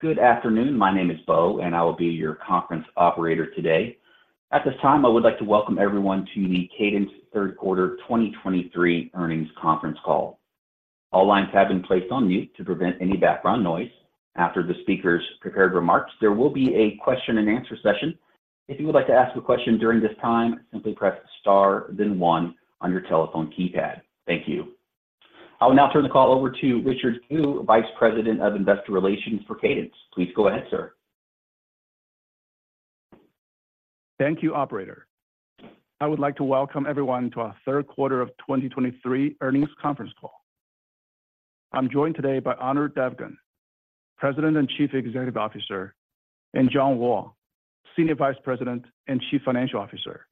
Good afternoon. My name is Beau, and I will be your conference operator today. At this time, I would like to welcome everyone to the Cadence Q3 2023 earnings conference call. All lines have been placed on mute to prevent any background noise. After the speakers' prepared remarks, there will be a question and answer session. If you would like to ask a question during this time, simply press star, then one on your telephone keypad. Thank you. I will now turn the call over to Richard Gu, Vice President of Investor Relations for Cadence. Please go ahead, sir. Thank you, operator. I would like to welcome everyone to our Q3 of 2023 earnings conference call. I'm joined today by Anirudh Devgan, President and Chief Executive Officer, and John Wall, Senior Vice President and Chief Financial Officer.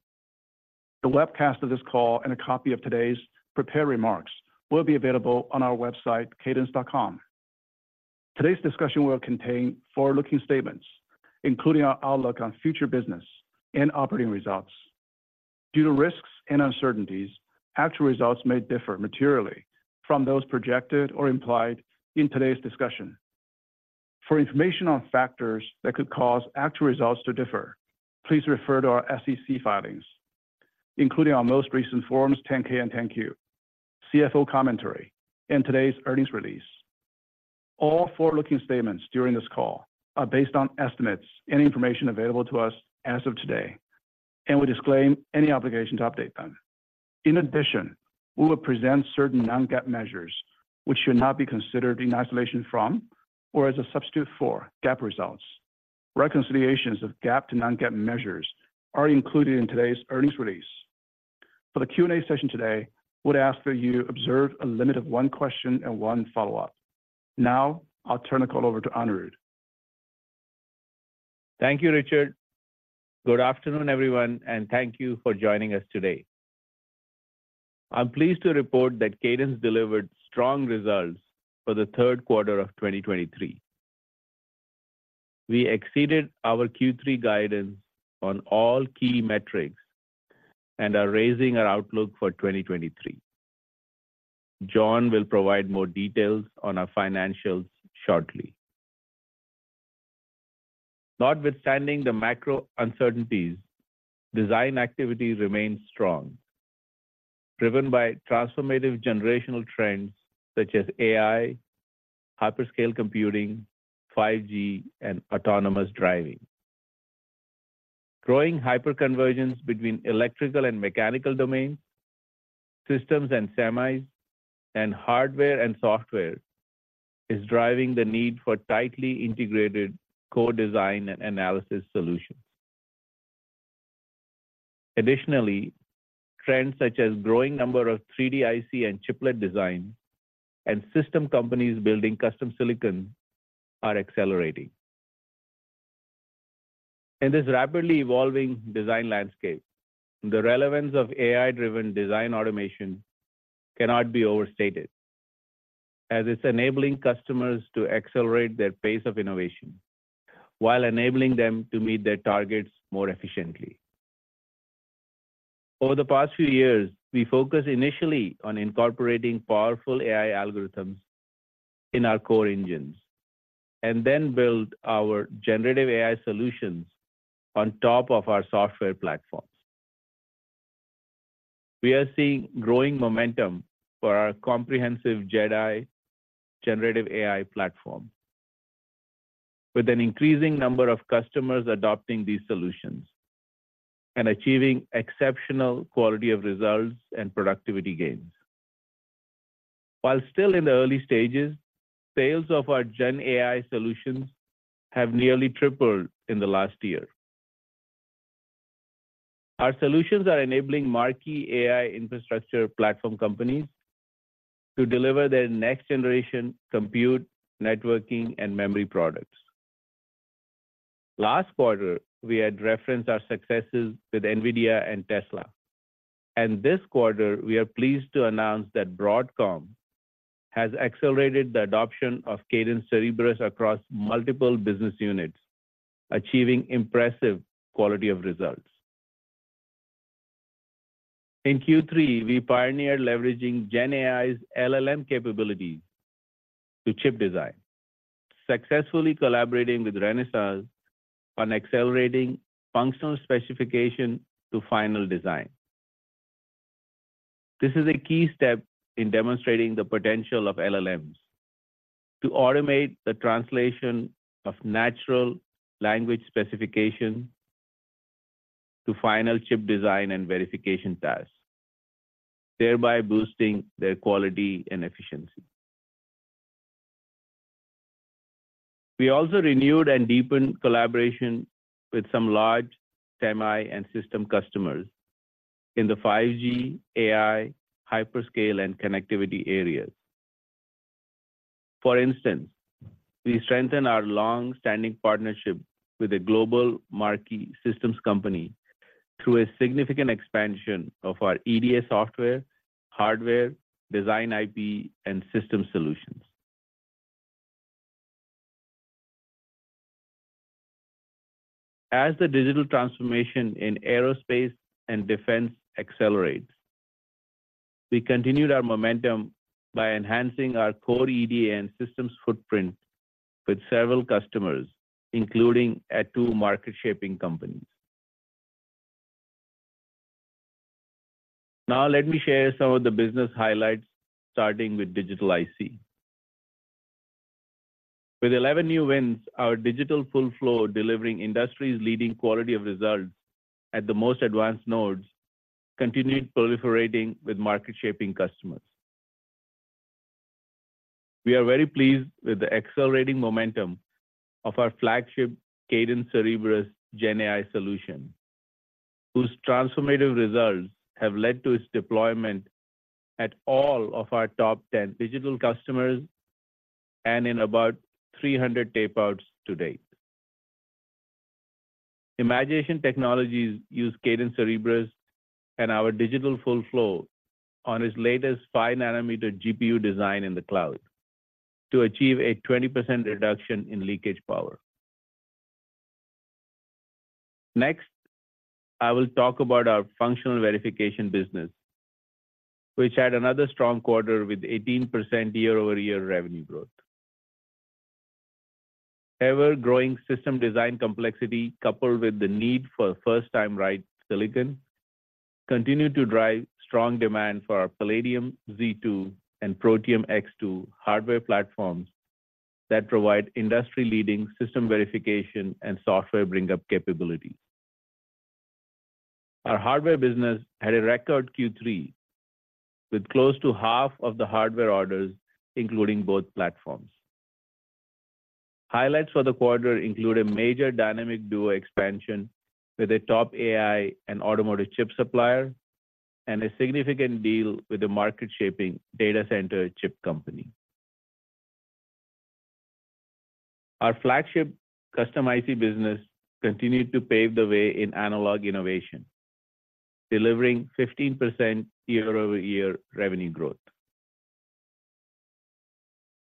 The webcast of this call and a copy of today's prepared remarks will be available on our website, cadence.com. Today's discussion will contain forward-looking statements, including our outlook on future business and operating results. Due to risks and uncertainties, actual results may differ materially from those projected or implied in today's discussion. For information on factors that could cause actual results to differ, please refer to our SEC filings, including our most recent Forms 10-K and 10-Q, CFO commentary, and today's earnings release. All forward-looking statements during this call are based on estimates and information available to us as of today, and we disclaim any obligation to update them. In addition, we will present certain non-GAAP measures, which should not be considered in isolation from or as a substitute for GAAP results. Reconciliations of GAAP to non-GAAP measures are included in today's earnings release. For the Q&A session today, we'd ask that you observe a limit of one question and one follow-up. Now, I'll turn the call over to Anirudh. Thank you, Richard. Good afternoon, everyone, and thank you for joining us today. I'm pleased to report that Cadence delivered strong results for the Q3 of 2023. We exceeded our Q3 guidance on all key metrics and are raising our outlook for 2023. John will provide more details on our financials shortly. Notwithstanding the macro uncertainties, design activity remains strong, driven by transformative generational trends such as AI, hyperscale computing, 5G, and autonomous driving. Growing hyperconvergence between electrical and mechanical domains, systems and semis, and hardware and software is driving the need for tightly integrated co-design and analysis solutions. Additionally, trends such as growing number of 3D-IC and chiplet design and system companies building custom silicon are accelerating. In this rapidly evolving design landscape, the relevance of AI-driven design automation cannot be overstated, as it's enabling customers to accelerate their pace of innovation while enabling them to meet their targets more efficiently. Over the past few years, we focused initially on incorporating powerful AI algorithms in our core engines and then build our generative AI solutions on top of our software platforms. We are seeing growing momentum for our comprehensive JedAI generative AI platform, with an increasing number of customers adopting these solutions and achieving exceptional quality of results and productivity gains. While still in the early stages, sales of our GenAI solutions have nearly tripled in the last year. Our solutions are enabling marquee AI infrastructure platform companies to deliver their next-generation compute, networking, and memory products. Last quarter, we had referenced our successes with NVIDIA and Tesla, and this quarter we are pleased to announce that Broadcom has accelerated the adoption of Cadence Cerebrus across multiple business units, achieving impressive quality of results. In Q3, we pioneered leveraging GenAI's LLM capability to chip design, successfully collaborating with Renesas on accelerating functional specification to final design. This is a key step in demonstrating the potential of LLMs to automate the translation of natural language specification to final chip design and verification tasks, thereby boosting their quality and efficiency. We also renewed and deepened collaboration with some large semi and system customers in the 5G, AI, hyperscale, and connectivity areas. For instance, we strengthened our long-standing partnership with a global marquee systems company through a significant expansion of our EDA software, hardware, design IP, and system solutions. As the digital transformation in aerospace and defense accelerates, we continued our momentum by enhancing our core EDA and systems footprint with several customers, including at two market-shaping companies. Now, let me share some of the business highlights, starting with digital IC. With 11 new wins, our digital full flow, delivering the industry's leading quality of results at the most advanced nodes, continued proliferating with market-shaping customers. We are very pleased with the accelerating momentum of our flagship Cadence Cerebrus GenAI solution, whose transformative results have led to its deployment at all of our top 10 digital customers and in about 300 tape outs to date. Imagination Technologies uses Cadence Cerebrus and our digital full flow on its latest 5nm GPU design in the cloud to achieve a 20% reduction in leakage power. Next, I will talk about our functional verification business, which had another strong quarter with 18% year-over-year revenue growth. Ever-growing system design complexity, coupled with the need for first-time right silicon, continued to drive strong demand for our Palladium Z2 and Protium X2 hardware platforms that provide industry-leading system verification and software bring up capability. Our hardware business had a record Q3, with close to half of the hardware orders, including both platforms. Highlights for the quarter include a major Dynamic Duo expansion with a top AI and automotive chip supplier, and a significant deal with the market-shaping data center chip company. Our flagship custom IC business continued to pave the way in analog innovation, delivering 15% year-over-year revenue growth.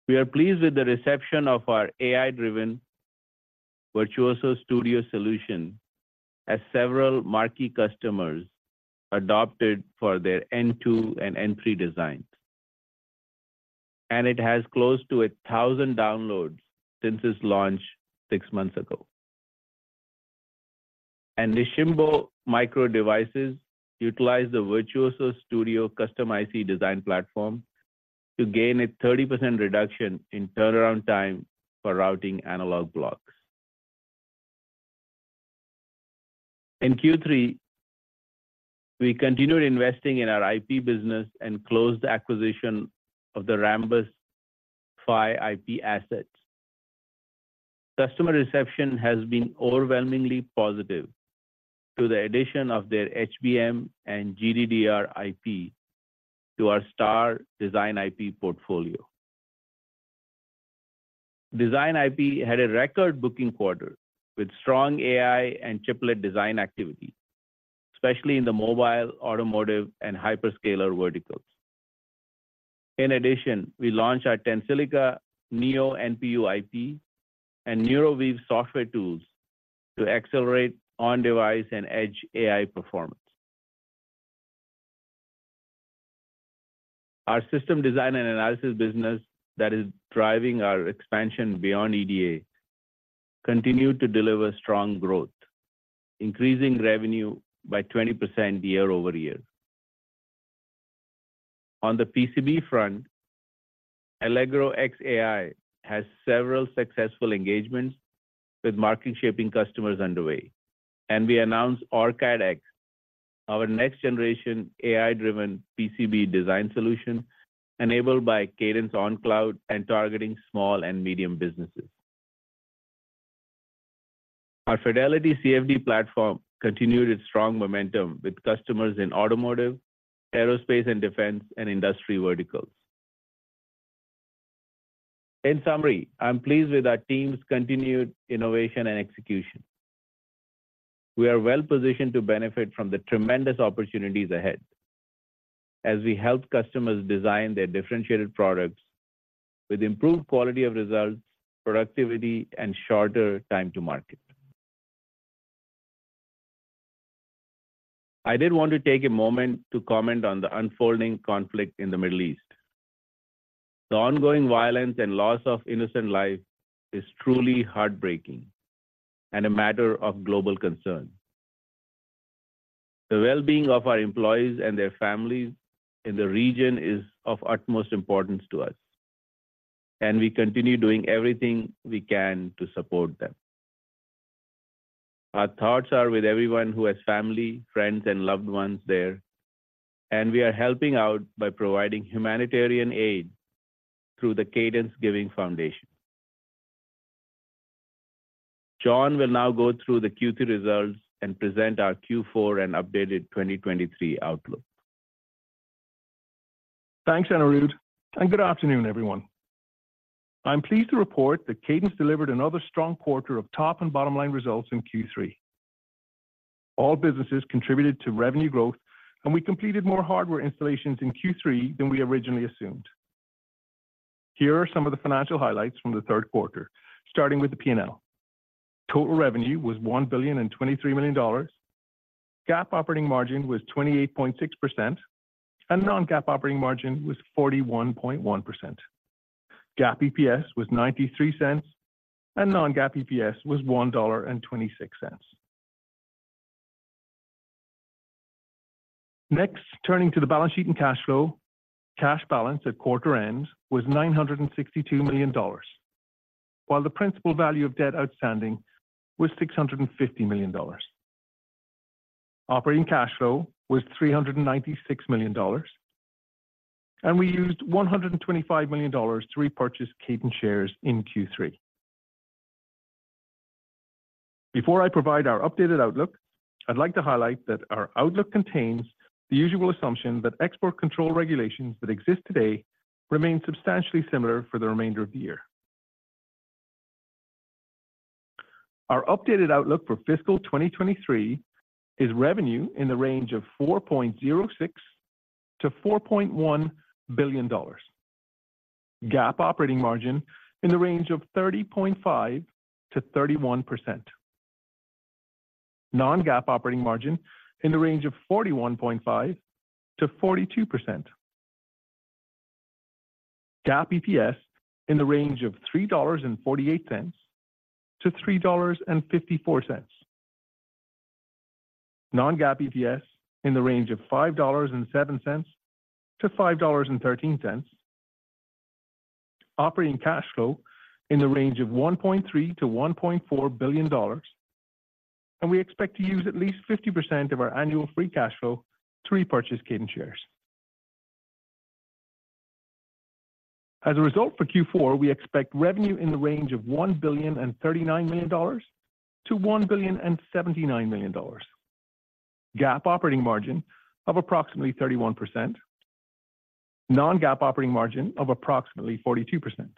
We are pleased with the reception of our AI-driven Virtuoso Studio solution, as several marquee customers adopted for their N2 and N3 designs. It has close to 1,000 downloads since its launch six months ago. Nisshinbo Micro Devices utilized the Virtuoso Studio custom IC design platform to gain a 30% reduction in turnaround time for routing analog blocks. In Q3, we continued investing in our IP business and closed the acquisition of the Rambus PHY IP assets. Customer reception has been overwhelmingly positive to the addition of their HBM and GDDR IP to our Star design IP portfolio. Design IP had a record booking quarter with strong AI and chiplet design activity, especially in the mobile, automotive, and hyperscaler verticals. In addition, we launched our Tensilica Neo NPU IP and NeuroWeave software tools to accelerate on-device and edge AI performance. Our system design and analysis business that is driving our expansion beyond EDA continued to deliver strong growth, increasing revenue by 20% year-over-year. On the PCB front, Allegro X AI has several successful engagements with market-shaping customers underway, and we announced OrCAD X, our next-generation AI-driven PCB design solution, enabled by Cadence OnCloud and targeting small and medium businesses. Our Fidelity CFD platform continued its strong momentum with customers in automotive, aerospace and defense, and industry verticals. In summary, I'm pleased with our team's continued innovation and execution. We are well-positioned to benefit from the tremendous opportunities ahead as we help customers design their differentiated products with improved quality of results, productivity, and shorter time to market. I did want to take a moment to comment on the unfolding conflict in the Middle East. The ongoing violence and loss of innocent life is truly heartbreaking and a matter of global concern. The well-being of our employees and their families in the region is of utmost importance to us, and we continue doing everything we can to support them. Our thoughts are with everyone who has family, friends, and loved ones there, and we are helping out by providing humanitarian aid through the Cadence Giving Foundation. John will now go through the Q3 results and present our Q4 and updated 2023 outlook. Thanks, Anirudh, and good afternoon, everyone. I'm pleased to report that Cadence delivered another strong quarter of top and bottom-line results in Q3. All businesses contributed to revenue growth, and we completed more hardware installations in Q3 than we originally assumed. Here are some of the financial highlights from the Q3, starting with the P&L. Total revenue was $1.023 billion. GAAP operating margin was 28.6%, and non-GAAP operating margin was 41.1%. GAAP EPS was $0.93, and non-GAAP EPS was $1.26. Next, turning to the balance sheet and cash flow. Cash balance at quarter end was $962 million, while the principal value of debt outstanding was $650 million. Operating cash flow was $396 million, and we used $125 million to repurchase Cadence shares in Q3. Before I provide our updated outlook, I'd like to highlight that our outlook contains the usual assumption that export control regulations that exist today remain substantially similar for the remainder of the year. Our updated outlook for fiscal 2023 is revenue in the range of $4.06 billion-$4.1 billion. GAAP operating margin in the range of 30.5%-31%. Non-GAAP operating margin in the range of 41.5%-42%. GAAP EPS in the range of $3.48-$3.54. Non-GAAP EPS in the range of $5.07-$5.13. Operating cash flow in the range of $1.3 billion-$1.4 billion, and we expect to use at least 50% of our annual free cash flow to repurchase Cadence shares. As a result, for Q4, we expect revenue in the range of $1.039 billion-$1.079 billion. GAAP operating margin of approximately 31%. Non-GAAP operating margin of approximately 42%.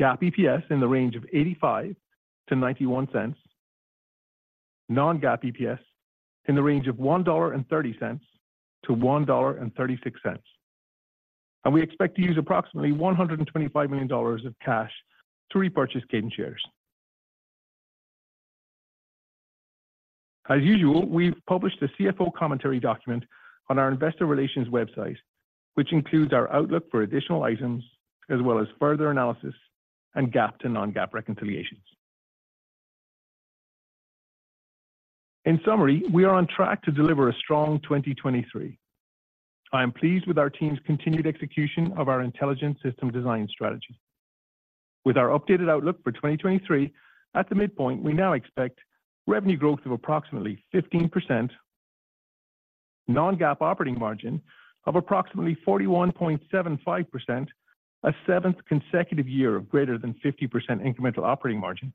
GAAP EPS in the range of $0.85-$0.91. Non-GAAP EPS in the range of $1.30-$1.36, and we expect to use approximately $125 million of cash to repurchase Cadence shares. As usual, we've published a CFO commentary document on our investor relations website, which includes our outlook for additional items, as well as further analysis and GAAP to non-GAAP reconciliations. In summary, we are on track to deliver a strong 2023. I am pleased with our team's continued execution of our Intelligent System Design strategy strategy. With our updated outlook for 2023, at the midpoint, we now expect revenue growth of approximately 15%, non-GAAP operating margin of approximately 41.75%, a seventh consecutive year of greater than 50% incremental operating margin,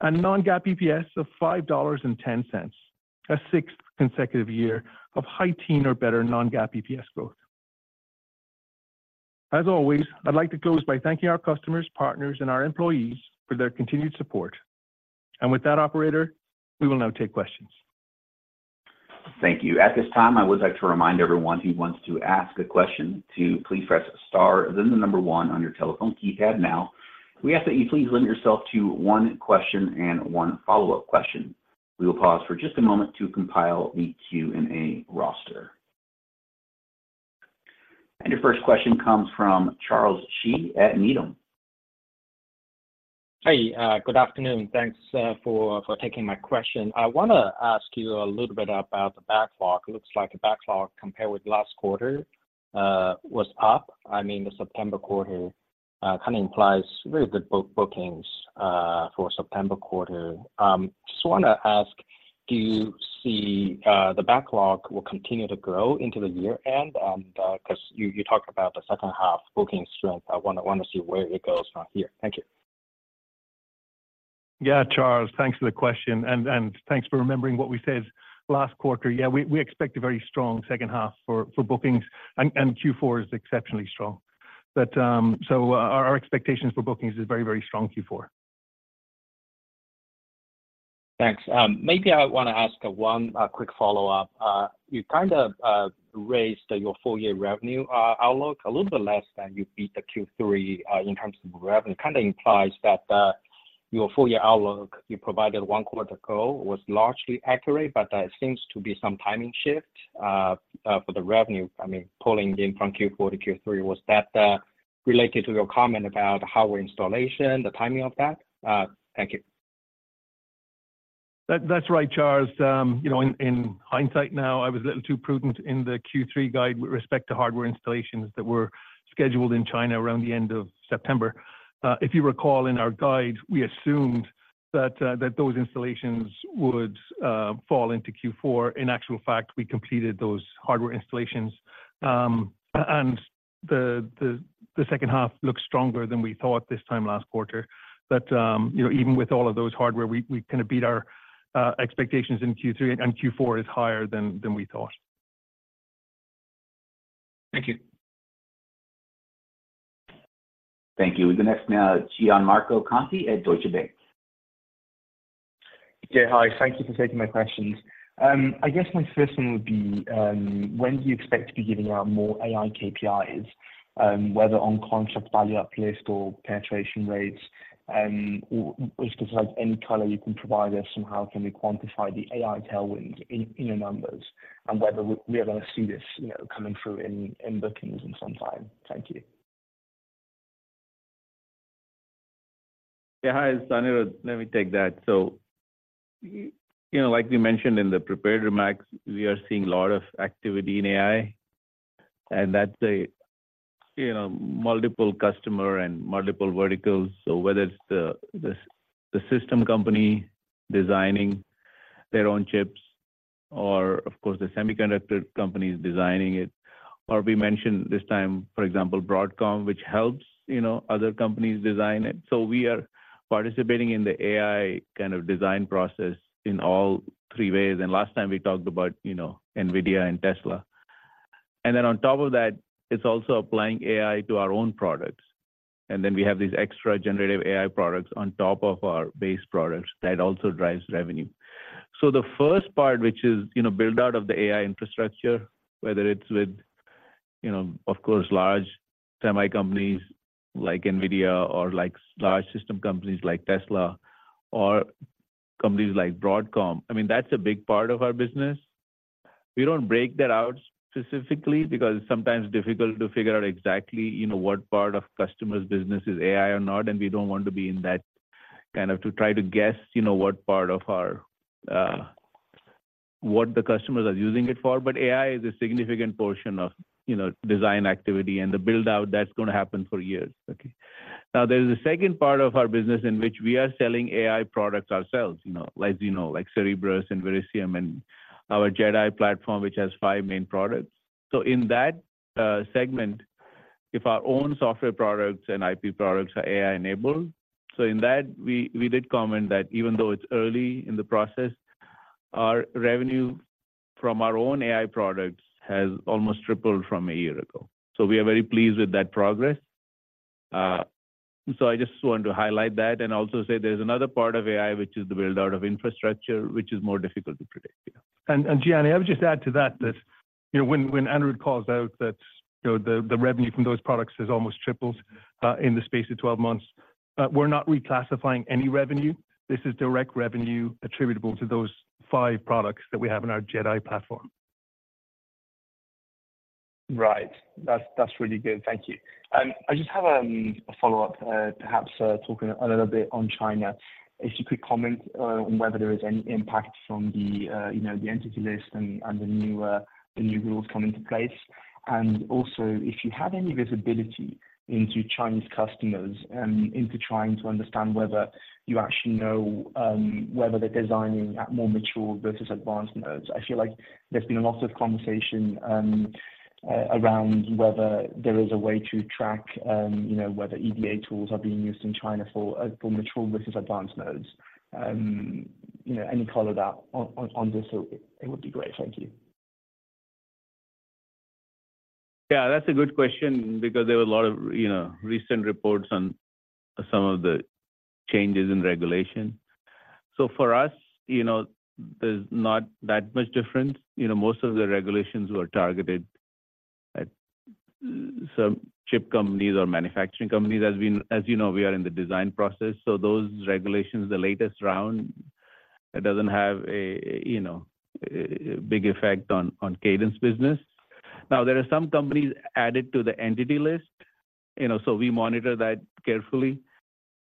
and non-GAAP EPS of $5.10, a sixth consecutive year of high teen or better non-GAAP EPS growth. As always, I'd like to close by thanking our customers, partners, and our employees for their continued support. And with that, operator, we will now take questions. Thank you. At this time, I would like to remind everyone who wants to ask a question to please press star, then the number one on your telephone keypad now. We ask that you please limit yourself to one question and one follow-up question. We will pause for just a moment to compile the Q&A roster. Your first question comes from Charles Shi at Needham. Hey, good afternoon. Thanks for taking my question. I wanna ask you a little bit about the backlog. It looks like the backlog, compared with last quarter, was up. I mean, the September quarter kinda implies really good bookings for September quarter. Just wanna ask, do you see the backlog will continue to grow into the year-end? And 'cause you talked about the second half booking strength. I wanna see where it goes from here. Thank you. Yeah, Charles, thanks for the question, and thanks for remembering what we said last quarter. Yeah, we expect a very strong second half for bookings, and Q4 is exceptionally strong. But, so our expectations for bookings is very, very strong Q4. Thanks. Maybe I wanna ask one quick follow-up. You kind of raised your full year revenue outlook a little bit less than you beat the Q3 in terms of revenue. Kinda implies that your full year outlook you provided one quarter ago was largely accurate, but there seems to be some timing shift for the revenue. I mean, pulling in from Q4 to Q3, was that related to your comment about hardware installation, the timing of that? Thank you. That, that's right, Charles. You know, in hindsight now, I was a little too prudent in the Q3 guide with respect to hardware installations that were scheduled in China around the end of September. If you recall, in our guide, we assumed that those installations would fall into Q4. In actual fact, we completed those hardware installations, and the second half looks stronger than we thought this time last quarter. But you know, even with all of those hardware, we kinda beat our expectations in Q3, and Q4 is higher than we thought. Thank you. Thank you. The next now, Gianmarco Conti at Deutsche Bank.... Yeah, hi. Thank you for taking my questions. I guess my first one would be, when do you expect to be giving out more AI KPIs, whether on contract value at risk or penetration rates? And just like any color you can provide us, and how can we quantify the AI tailwinds in your numbers, and whether we are going to see this, you know, coming through in bookings in some time? Thank you. Yeah, hi, this is Anirudh. Let me take that. So, you know, like we mentioned in the prepared remarks, we are seeing a lot of activity in AI, and that's a, you know, multiple customer and multiple verticals. So whether it's the system company designing their own chips or, of course, the semiconductor companies designing it. Or we mentioned this time, for example, Broadcom, which helps, you know, other companies design it. So we are participating in the AI kind of design process in all three ways. And last time we talked about, you know, NVIDIA and Tesla. And then on top of that, it's also applying AI to our own products. And then we have these extra generative AI products on top of our base products that also drives revenue. So the first part, which is, you know, build out of the AI infrastructure, whether it's with, you know, of course, large semi companies like NVIDIA or like large system companies like Tesla or companies like Broadcom, I mean, that's a big part of our business. We don't break that out specifically, because it's sometimes difficult to figure out exactly, you know, what part of customers' business is AI or not, and we don't want to be in that, kind of to try to guess, you know, what part of our, what the customers are using it for. But AI is a significant portion of, you know, design activity and the build-out that's going to happen for years. Okay? Now, there's a second part of our business in which we are selling AI products ourselves, you know, like, you know, like Cerebrus and Verisium and our JedAI platform, which has five main products. So in that segment, if our own software products and IP products are AI-enabled, so in that we did comment that even though it's early in the process, our revenue from our own AI products has almost tripled from a year ago. So we are very pleased with that progress. So I just wanted to highlight that and also say there's another part of AI, which is the build-out of infrastructure, which is more difficult to predict, yeah. And, Gian, I would just add to that, you know, when Anirudh calls out that, you know, the revenue from those products has almost tripled in the space of 12 months, we're not reclassifying any revenue. This is direct revenue attributable to those five products that we have in our JedAI platform. Right. That's, that's really good. Thank you. I just have a follow-up, perhaps, talking a little bit on China. If you could comment on whether there is any impact from the, you know, the entity list and, and the new, the new rules coming into place. And also, if you have any visibility into Chinese customers, into trying to understand whether you actually know, whether they're designing at more mature versus advanced nodes. I feel like there's been a lot of conversation, around whether there is a way to track, you know, whether EDA tools are being used in China for, for mature versus advanced nodes. You know, any color that on, on, on this it, it would be great. Thank you. Yeah, that's a good question because there were a lot of, you know, recent reports on some of the changes in regulation. So for us, you know, there's not that much difference. You know, most of the regulations were targeted at some chip companies or manufacturing companies. As you know, we are in the design process, so those regulations, the latest round, it doesn't have a, you know, a big effect on Cadence business. Now, there are some companies added to the entity list, you know, so we monitor that carefully.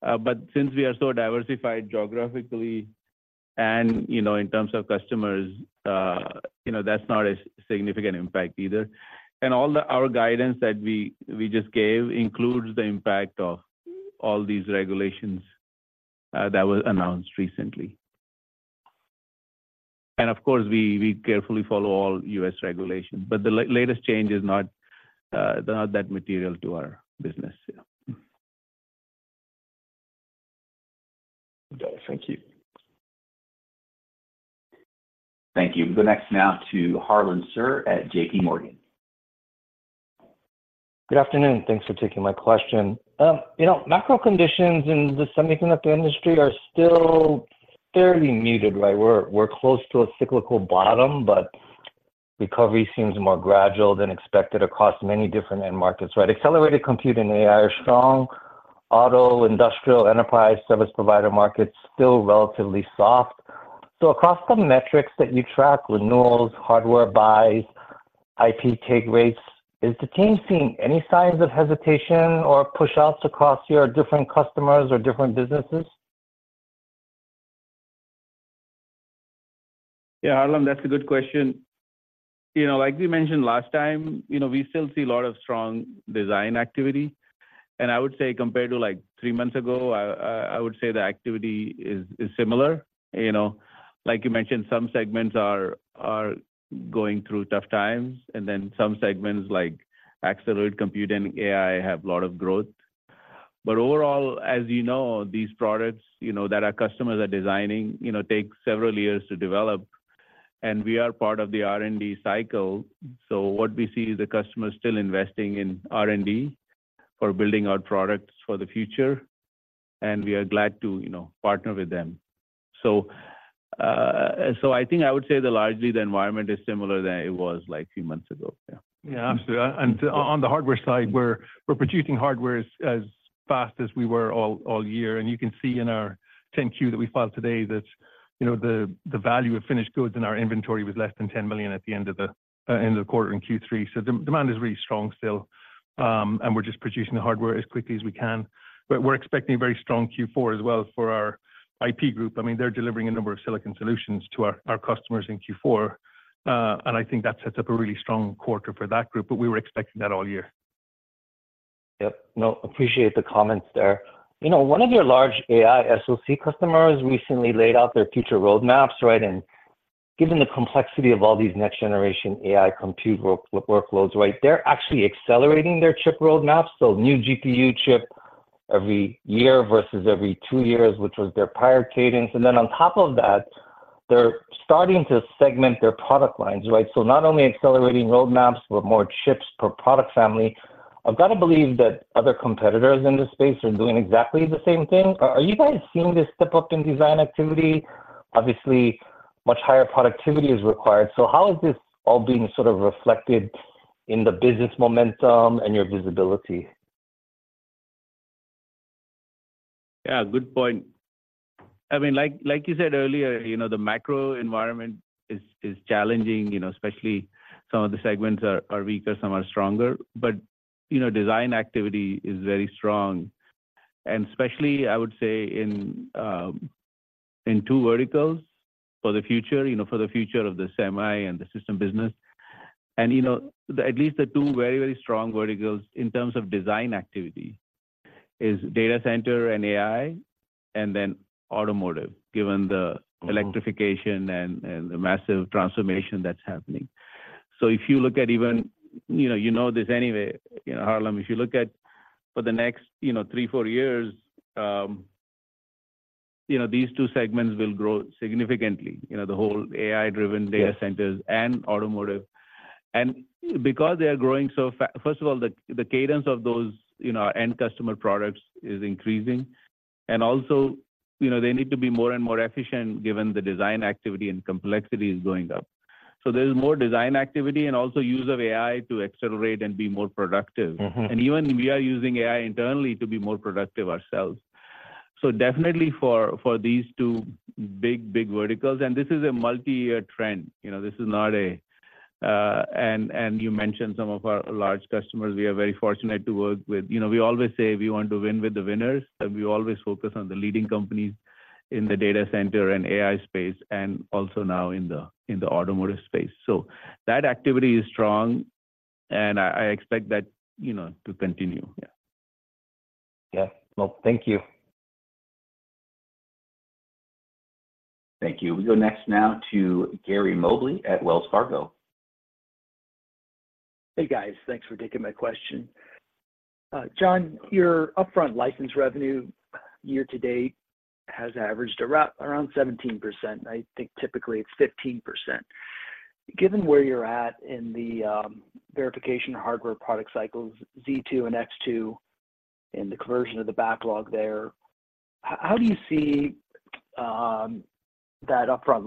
But since we are so diversified geographically and, you know, in terms of customers, you know, that's not a significant impact either. And all our guidance that we just gave includes the impact of all these regulations that were announced recently. Of course, we carefully follow all U.S. regulations, but the latest change is not that material to our business. Yeah. Got it. Thank you. Thank you. We go next now to Harlan Sur at J.P. Morgan. Good afternoon. Thanks for taking my question. You know, macro conditions in the semiconductor industry are still fairly muted, right? We're, we're close to a cyclical bottom, but recovery seems more gradual than expected across many different end markets, right? Accelerated computing and AI are strong. Auto, industrial, enterprise, service provider markets, still relatively soft. So across the metrics that you track, renewals, hardware buys, IP take rates, is the team seeing any signs of hesitation or pushouts across your different customers or different businesses? Yeah, Harlan, that's a good question. You know, like we mentioned last time, you know, we still see a lot of strong design activity. And I would say compared to like three months ago, I would say the activity is similar, you know. Like you mentioned, some segments are going through tough times, and then some segments, like accelerate computing AI, have a lot of growth. But overall, as you know, these products, you know, that our customers are designing, you know, take several years to develop, and we are part of the R&D cycle. So what we see is the customer is still investing in R&D for building out products for the future, and we are glad to, you know, partner with them. So, I think I would say that largely the environment is similar than it was like three months ago. Yeah. Yeah, absolutely. And on the hardware side, we're producing hardware as fast as we were all year. And you can see in our Form 10-Q that we filed today, that, you know, the value of finished goods in our inventory was less than $10 million at the end of the quarter in Q3. So demand is really strong still, and we're just producing the hardware as quickly as we can. But we're expecting a very strong Q4 as well for our IP group. I mean, they're delivering a number of silicon solutions to our customers in Q4. And I think that sets up a really strong quarter for that group, but we were expecting that all year. Yep. No, appreciate the comments there. You know, one of your large AI SOC customers recently laid out their future roadmaps, right? And given the complexity of all these next generation AI compute workloads, right, they're actually accelerating their chip roadmaps. So new GPU chip every year versus every two years, which was their prior cadence. And then on top of that, they're starting to segment their product lines, right? So not only accelerating roadmaps, but more chips per product family. I've got to believe that other competitors in this space are doing exactly the same thing. Are you guys seeing this step up in design activity? Obviously, much higher productivity is required. So how is this all being sort of reflected in the business momentum and your visibility? Yeah, good point. I mean, like, like you said earlier, you know, the macro environment is, is challenging, you know, especially some of the segments are, are weaker, some are stronger. But, you know, design activity is very strong. And especially, I would say in, in two verticals for the future, you know, for the future of the semi and the system business. And, you know, at least the two very, very strong verticals in terms of design activity is data center and AI, and then automotive, given the- Mm-hmm ...electrification and, and the massive transformation that's happening. So if you look at even, you know, you know this anyway, you know, Harlan, if you look at for the next, you know, three, four years, you know, these two segments will grow significantly. You know, the whole AI-driven data centers- Yes... and automotive. Because they are growing so fast, first of all, the cadence of those, you know, end customer products is increasing. And also, you know, they need to be more and more efficient given the design activity and complexity is going up. So there's more design activity and also use of AI to accelerate and be more productive. Mm-hmm. And even we are using AI internally to be more productive ourselves. So definitely for these two big, big verticals, and this is a multi-year trend, you know, this is not a, And you mentioned some of our large customers we are very fortunate to work with. You know, we always say we want to win with the winners, and we always focus on the leading companies in the data center and AI space, and also now in the automotive space. So that activity is strong, and I, I expect that, you know, to continue. Yeah. Yeah. Well, thank you. Thank you. We go next now to Gary Mobley at Wells Fargo. Hey, guys. Thanks for taking my question. John, your upfront license revenue year to date has averaged around, around 17%. I think typically it's 15%. Given where you're at in the verification of hardware product cycles, Z2 and X2, and the conversion of the backlog there, how do you see that upfront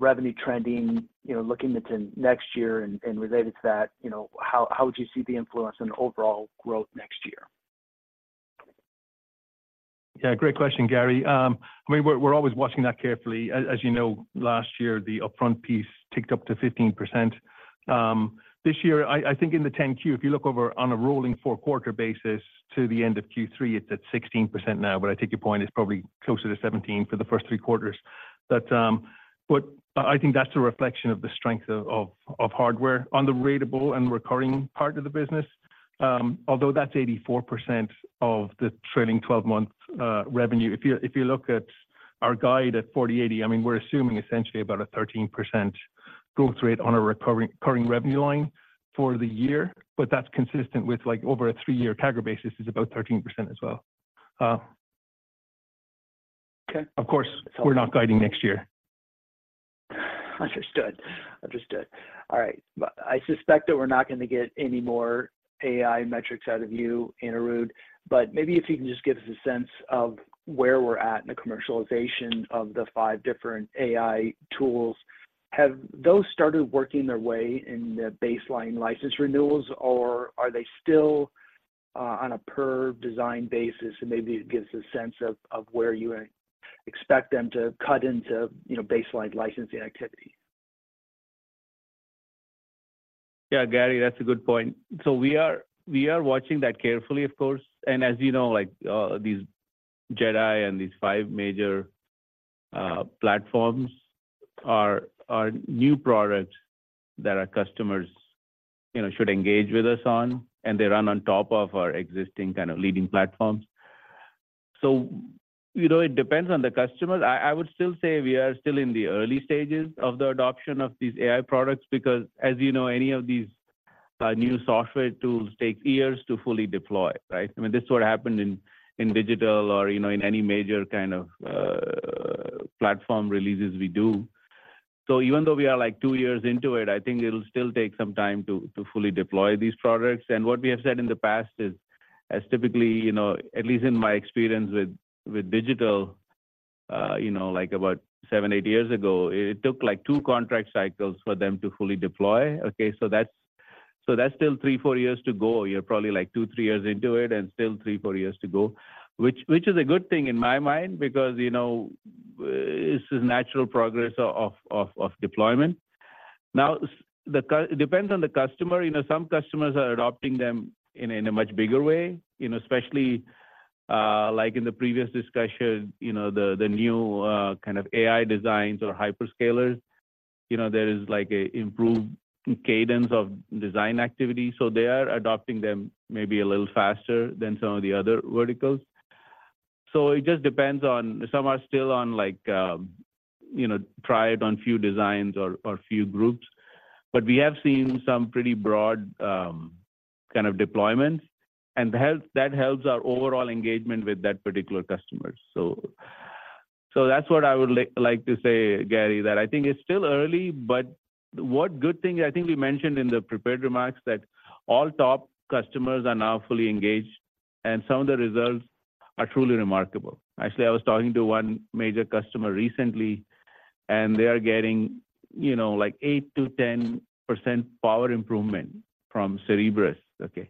revenue trending, you know, looking into next year? And related to that, you know, how would you see the influence on overall growth next year? Yeah, great question, Gary. I mean, we're, we're always watching that carefully. As, as you know, last year, the upfront piece ticked up to 15%. This year, I, I think in the Form 10-Q, if you look over on a rolling four-quarter basis to the end of Q3, it's at 16% now. But I take your point, it's probably closer to 17% for the first three quarters. But, but I think that's a reflection of the strength of, of, of hardware on the ratable and recurring part of the business. Although that's 84% of the trailing 12-month revenue. If you look at our guide at 40/80, I mean, we're assuming essentially about a 13% growth rate on a recurring revenue line for the year, but that's consistent with like over a three-year CAGR basis is about 13% as well. Okay. Of course, we're not guiding next year. Understood. Understood. All right. But I suspect that we're not going to get any more AI metrics out of you, Anirudh, but maybe if you can just give us a sense of where we're at in the commercialization of the five different AI tools. Have those started working their way in the baseline license renewals, or are they still on a per design basis? And maybe it gives a sense of where you expect them to cut into, you know, baseline licensing activity. Yeah, Gary, that's a good point. So we are watching that carefully, of course. And as you know, like, these JedAI and these five major platforms are new products that our customers, you know, should engage with us on, and they run on top of our existing kind of leading platforms. So, you know, it depends on the customer. I would still say we are still in the early stages of the adoption of these AI products, because as you know, any of these new software tools take years to fully deploy, right? I mean, this is what happened in digital or, you know, in any major kind of platform releases we do. So even though we are, like, two years into it, I think it'll still take some time to fully deploy these products. And what we have said in the past is, as typically, you know, at least in my experience with digital, you know, like about seven, eight years ago, it took, like, two contract cycles for them to fully deploy, okay? So that's still three, four years to go. You're probably, like, two, three years into it and still three, four years to go. Which is a good thing in my mind because, you know, this is natural progress of deployment. Now, it depends on the customer. You know, some customers are adopting them in a much bigger way, you know, especially, like in the previous discussion, you know, the new kind of AI designs or hyperscalers. You know, there is, like, a improved Cadence of design activity, so they are adopting them maybe a little faster than some of the other verticals. So it just depends on, some are still on, like, you know, try it on few designs or, or few groups. But we have seen some pretty broad, kind of deployments, and that helps our overall engagement with that particular customer. So, so that's what I would like to say, Gary, that I think it's still early, but what good thing I think we mentioned in the prepared remarks, that all top customers are now fully engaged, and some of the results are truly remarkable. Actually, I was talking to one major customer recently, and they are getting, you know, like, 8% to 10% power improvement from Cerebrus, okay? And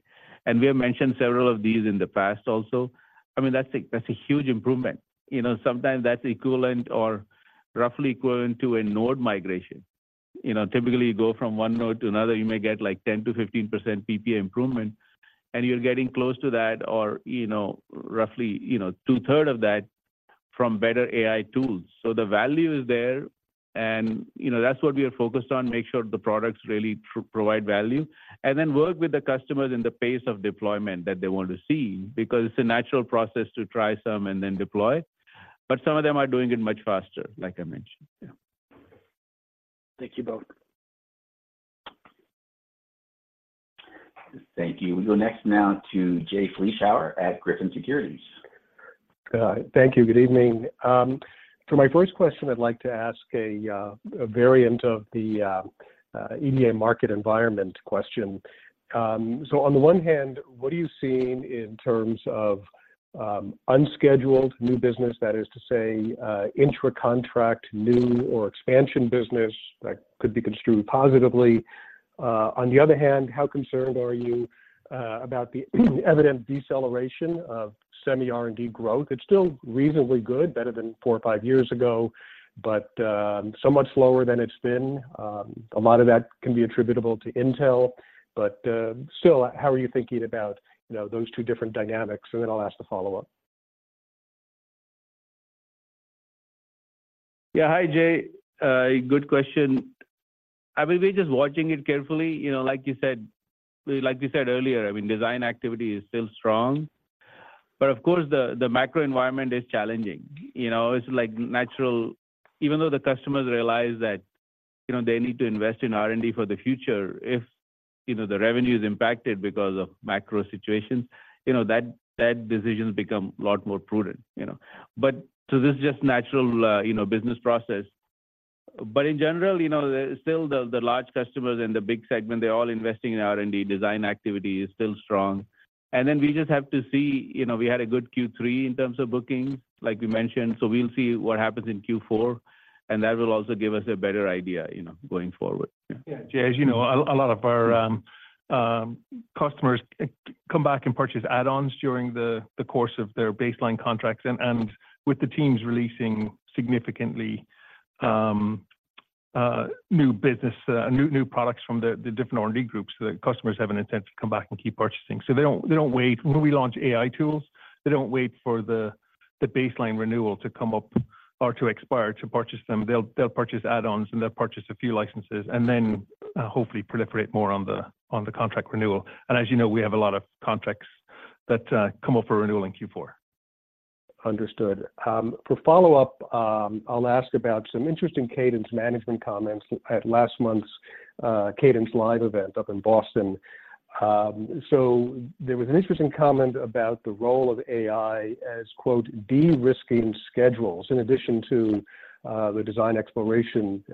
we have mentioned several of these in the past also. I mean, that's a huge improvement. You know, sometimes that's equivalent or roughly equivalent to a node migration. You know, typically you go from one node to another, you may get, like, 10% to 15% PPA improvement, and you're getting close to that or, you know, roughly, you know, 2/3 of that from better AI tools. So the value is there, and, you know, that's what we are focused on, make sure the products really provide value, and then work with the customers in the pace of deployment that they want to see, because it's a natural process to try some and then deploy. But some of them are doing it much faster, like I mentioned. Yeah. Thank you both. Thank you. We go next now to Jay Vleeschhouwer at Griffin Securities. Thank you. Good evening. For my first question, I'd like to ask a variant of the EDA market environment question. So on the one hand, what are you seeing in terms of unscheduled new business? That is to say, intra-contract, new or expansion business that could be construed positively. On the other hand, how concerned are you about the evident deceleration of semi-R&D growth? It's still reasonably good, better than four or five years ago, but so much slower than it's been. A lot of that can be attributable to Intel, but still, how are you thinking about, you know, those two different dynamics? And then I'll ask the follow-up. Yeah. Hi, Jay. Good question. I mean, we're just watching it carefully. You know, like you said, like we said earlier, I mean, design activity is still strong, but of course, the macro environment is challenging. You know, it's like natural—even though the customers realize that, you know, they need to invest in R&D for the future, if, you know, the revenue is impacted because of macro situations, you know, that decision become a lot more prudent, you know? But so this is just natural, you know, business process. But in general, you know, still the large customers and the big segment, they're all investing in R&D. Design activity is still strong. And then we just have to see... You know, we had a good Q3 in terms of bookings, like we mentioned, so we'll see what happens in Q4, and that will also give us a better idea, you know, going forward. Yeah, Jay, as you know, a lot of our customers come back and purchase add-ons during the course of their baseline contracts. And with the teams releasing significantly new business, new products from the different R&D groups, the customers have an intent to come back and keep purchasing. So they don't wait. When we launch AI tools, they don't wait for the baseline renewal to come up or to expire to purchase them. They'll purchase add-ons, and they'll purchase a few licenses and then hopefully proliferate more on the contract renewal. And as you know, we have a lot of contracts that come up for renewal in Q4. Understood. For follow-up, I'll ask about some interesting Cadence management comments at last month's CadenceLIVE event up in Boston. So there was an interesting comment about the role of AI as, quote, "De-risking schedules," in addition to the design exploration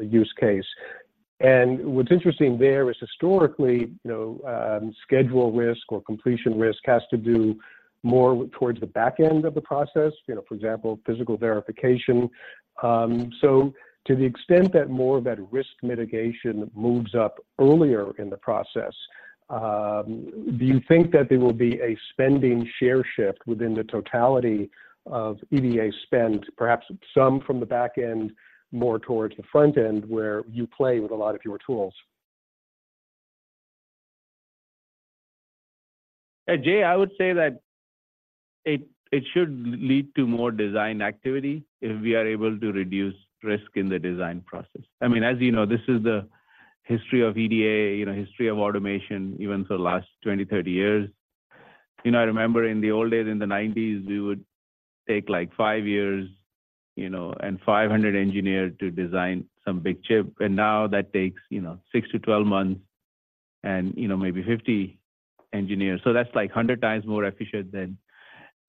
use case. And what's interesting there is historically, you know, schedule risk or completion risk has to do more towards the back end of the process, you know, for example, physical verification. So to the extent that more of that risk mitigation moves up earlier in the process, do you think that there will be a spending share shift within the totality of EDA spend, perhaps some from the back end, more towards the front end, where you play with a lot of your tools? Hey, Jay, I would say that it should lead to more design activity if we are able to reduce risk in the design process. I mean, as you know, this is the history of EDA, you know, history of automation, even for the last 20, 30 years. You know, I remember in the old days, in the 1990s, we would take, like, five years, you know, and 500 engineers to design some big chip, and now that takes, you know, six to 12 months and, you know, maybe 50 engineers. So that's, like, 100 times more efficient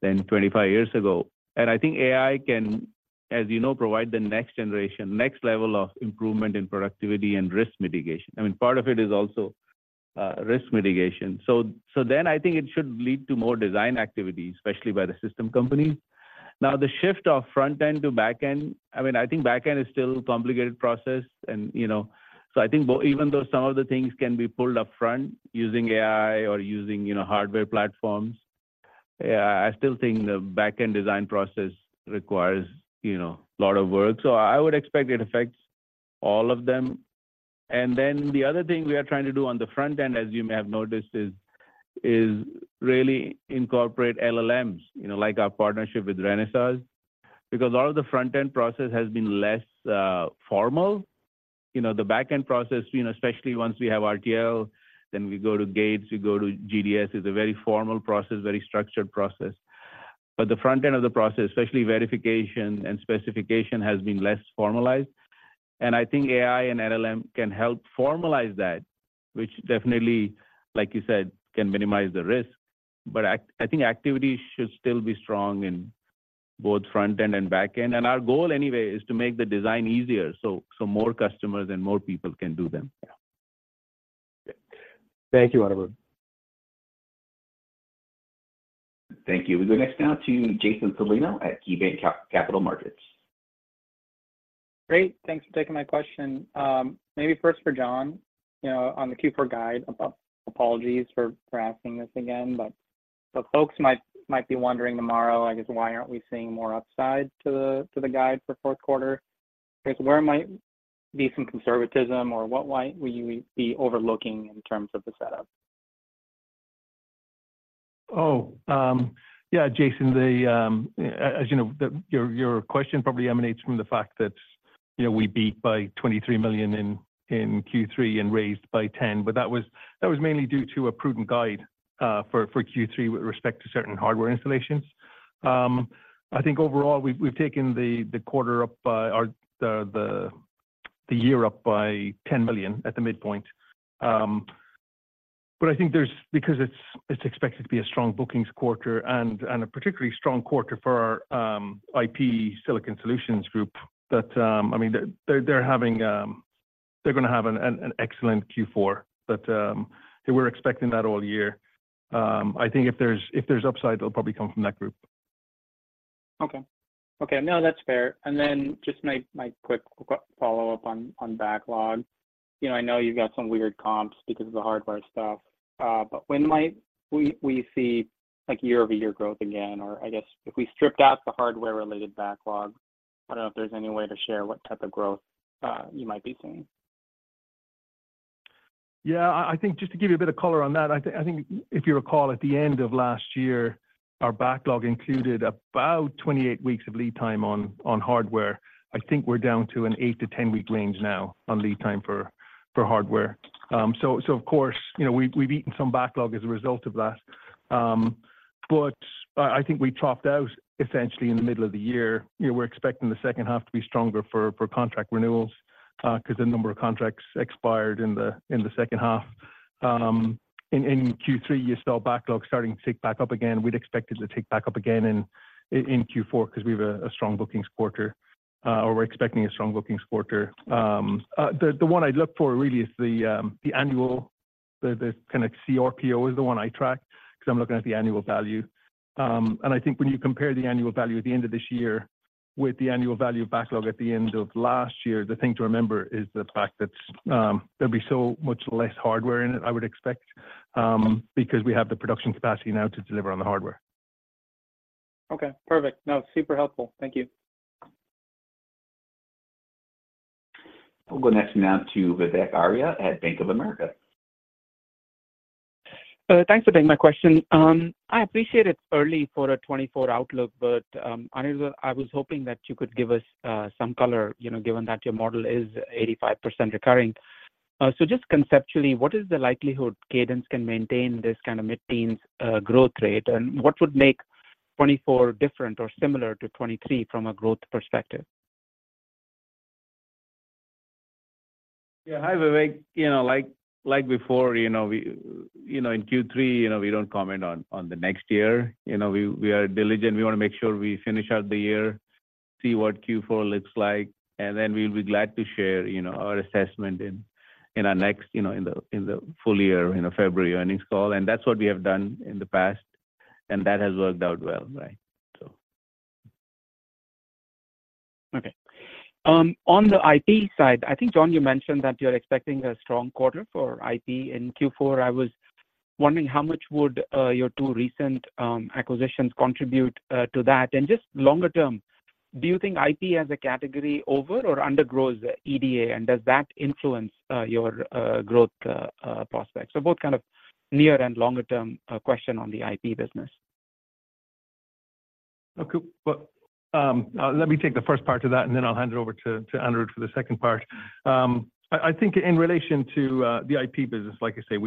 than 25 years ago. And I think AI can, as you know, provide the next generation, next level of improvement in productivity and risk mitigation. I mean, part of it is also risk mitigation. So then I think it should lead to more design activity, especially by the system companies. Now, the shift of front-end to back-end, I mean, I think back-end is still a complicated process and, you know, so I think even though some of the things can be pulled up front using AI or using, you know, hardware platforms, I still think the back-end design process requires, you know, a lot of work. So I would expect it affects all of them. And then the other thing we are trying to do on the front end, as you may have noticed, is really incorporate LLMs, you know, like our partnership with Renesas, because a lot of the front-end process has been less formal. You know, the back-end process, you know, especially once we have RTL, then we go to gates, we go to GDS, it's a very formal process, very structured process. But the front end of the process, especially verification and specification, has been less formalized, and I think AI and LLM can help formalize that, which definitely, like you said, can minimize the risk. But I think activity should still be strong in both front end and back end. And our goal anyway is to make the design easier, so more customers and more people can do them. Thank you, Anirudh. Thank you. We go next now to Jason Celino at KeyBanc Capital Markets. Great. Thanks for taking my question. Maybe first for John, you know, on the Q4 guide. Apologies for asking this again, but so folks might be wondering tomorrow, I guess, why aren't we seeing more upside to the guide for fourth quarter? Where might be some conservatism or what, why we be overlooking in terms of the setup? Oh, yeah, Jason, as you know, your question probably emanates from the fact that, you know, we beat by $23 million in Q3 and raised by $10 million, but that was mainly due to a prudent guide for Q3 with respect to certain hardware installations. I think overall, we've taken the quarter up by or the year up by $10 million at the midpoint. But I think there's because it's expected to be a strong bookings quarter and a particularly strong quarter for our IP Silicon Solutions group, that, I mean, they're having... They're going to have an excellent Q4, but we're expecting that all year. I think if there's upside, it'll probably come from that group. Okay. Okay, no, that's fair. And then just my quick follow-up on backlog. You know, I know you've got some weird comps because of the hardware stuff, but when might we see, like, year-over-year growth again? Or I guess if we stripped out the hardware-related backlog, I don't know if there's any way to share what type of growth you might be seeing. Yeah, I think just to give you a bit of color on that, I think if you recall, at the end of last year, our backlog included about 28 weeks of lead time on hardware. I think we're down to an 8-10-week range now on lead time for hardware. So, of course, you know, we've eaten some backlog as a result of that. But I think we topped out essentially in the middle of the year. You know, we're expecting the second half to be stronger for contract renewals because the number of contracts expired in the second half. In Q3, you saw backlog starting to tick back up again. We'd expect it to tick back up again in Q4 because we have a strong bookings quarter, or we're expecting a strong bookings quarter. The one I'd look for really is the annual, the kind of CRPO is the one I track because I'm looking at the annual value. And I think when you compare the annual value at the end of this year with the annual value of backlog at the end of last year, the thing to remember is the fact that there'll be so much less hardware in it, I would expect, because we have the production capacity now to deliver on the hardware. Okay, perfect. Now, super helpful. Thank you. We'll go next now to Vivek Arya at Bank of America. Thanks for taking my question. I appreciate it's early for a 2024 outlook, but, Anirudh, I was hoping that you could give us some color, you know, given that your model is 85% recurring. So just conceptually, what is the likelihood Cadence can maintain this kind of mid-teens growth rate? And what would make 2024 different or similar to 2023 from a growth perspective? Yeah. Hi, Vivek. You know, like, like before, you know, we, you know, in Q3, you know, we don't comment on, on the next year. You know, we, we are diligent. We want to make sure we finish out the year, see what Q4 looks like, and then we'll be glad to share, you know, our assessment in, in our next, you know, in the, in the full year, in the February earnings call. And that's what we have done in the past, and that has worked out well, right? Okay. On the IP side, I think, John, you mentioned that you're expecting a strong quarter for IP in Q4. I was wondering how much would your two recent acquisitions contribute to that? And just longer term, do you think IP as a category over or under grows EDA, and does that influence your growth prospects? So both kind of near and longer-term question on the IP business. ...OK, but, let me take the first part of that, and then I'll hand it over to Anirudh for the second part. I think in relation to the IP business, like I say,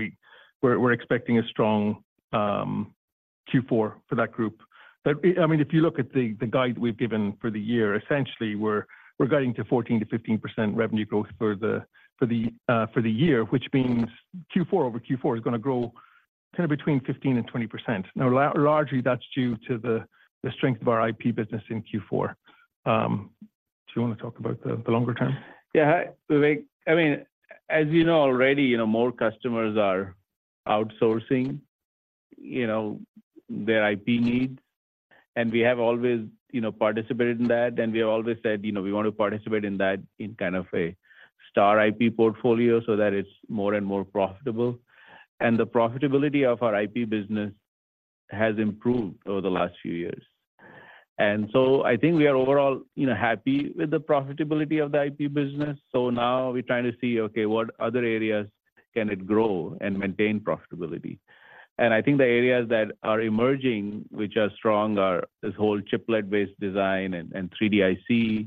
we're expecting a strong Q4 for that group. But, I mean, if you look at the guide we've given for the year, essentially, we're guiding to 14% to 15% revenue growth for the year, which means Q4 over Q4 is going to grow kind of between 15% to 20%. Now, largely, that's due to the strength of our IP business in Q4. Do you want to talk about the longer term? Yeah, I mean, as you know already, you know, more customers are outsourcing, you know, their IP needs, and we have always, you know, participated in that. And we have always said, you know, we want to participate in that in kind of a star IP portfolio so that it's more and more profitable. And the profitability of our IP business has improved over the last few years. And so I think we are overall, you know, happy with the profitability of the IP business. So now we're trying to see, okay, what other areas can it grow and maintain profitability? And I think the areas that are emerging, which are strong, are this whole chiplet-based design and 3D-IC,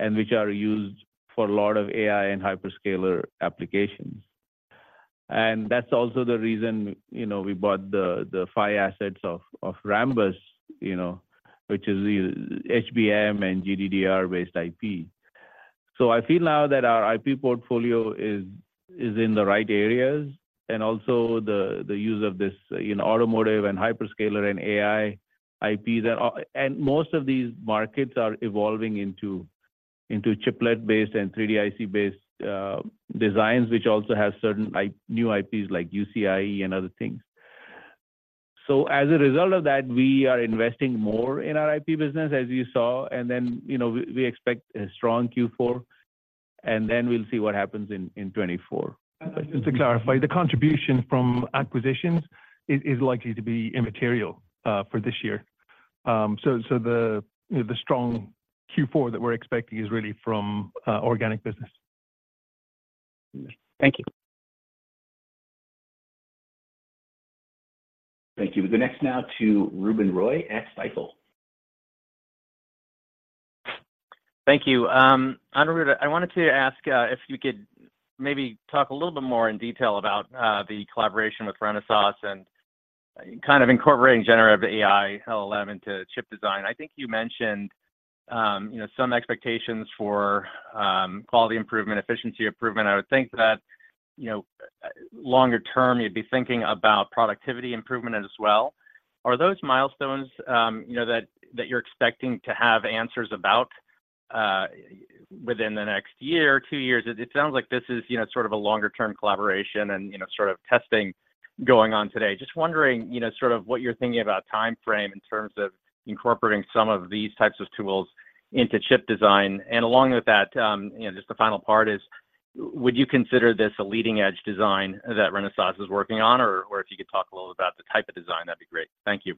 and which are used for a lot of AI and hyperscaler applications. That's also the reason, you know, we bought the PHY assets of Rambus, you know, which is the HBM and GDDR-based IP. So I feel now that our IP portfolio is in the right areas, and also the use of this in automotive and hyperscaler and AI IP. And most of these markets are evolving into chiplet-based and 3D-IC-based designs, which also have certain new IPs like UCIe and other things. So as a result of that, we are investing more in our IP business, as you saw, and then, you know, we expect a strong Q4, and then we'll see what happens in 2024. Just to clarify, the contribution from acquisitions is likely to be immaterial for this year. So the strong Q4 that we're expecting is really from organic business. Thank you. Thank you. We go next now to Ruben Roy at Stifel. Thank you. Anirudh, I wanted to ask if you could maybe talk a little bit more in detail about the collaboration with Renesas and kind of incorporating generative AI, LLM to chip design. I think you mentioned you know, some expectations for quality improvement, efficiency improvement. I would think that, you know, longer term, you'd be thinking about productivity improvement as well. Are those milestones, you know, that, that you're expecting to have answers about within the next year or two years? It, it sounds like this is, you know, sort of a longer-term collaboration and, you know, sort of testing going on today. Just wondering, you know, sort of what you're thinking about timeframe in terms of incorporating some of these types of tools into chip design. Along with that, you know, just the final part is: would you consider this a leading-edge design that Renesas is working on? Or, or if you could talk a little about the type of design, that'd be great. Thank you.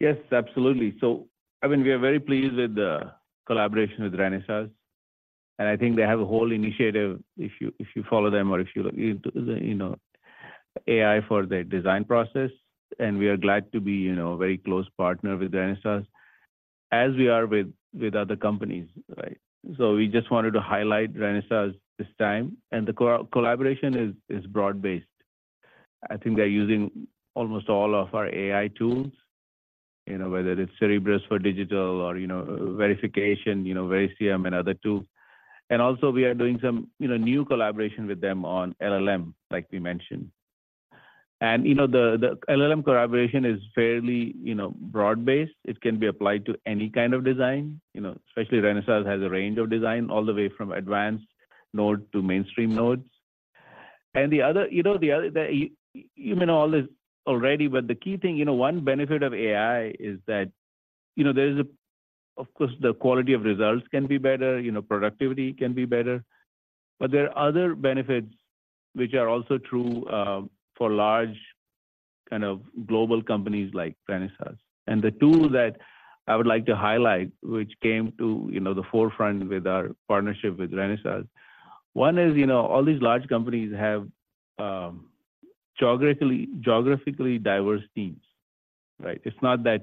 Yes, absolutely. So, I mean, we are very pleased with the collaboration with Renesas, and I think they have a whole initiative, if you, if you follow them or if you look into the, you know, AI for their design process. And we are glad to be, you know, a very close partner with Renesas, as we are with, with other companies, right? So we just wanted to highlight Renesas this time, and the col- collaboration is, is broad-based. I think they're using almost all of our AI tools, you know, whether it's Cerebrus for digital or, you know, verification, you know, Verisium and other tools. And also we are doing some, you know, new collaboration with them on LLM, like we mentioned. And, you know, the LLM collaboration is fairly, you know, broad-based. It can be applied to any kind of design. You know, especially Renesas has a range of design, all the way from advanced node to mainstream nodes. You may know all this already, but the key thing, you know, one benefit of AI is that, you know, there is a—Of course, the quality of results can be better, you know, productivity can be better, but there are other benefits which are also true for large, kind of global companies like Renesas. And the two that I would like to highlight, which came to, you know, the forefront with our partnership with Renesas. One is, you know, all these large companies have geographically diverse teams, right? It's not that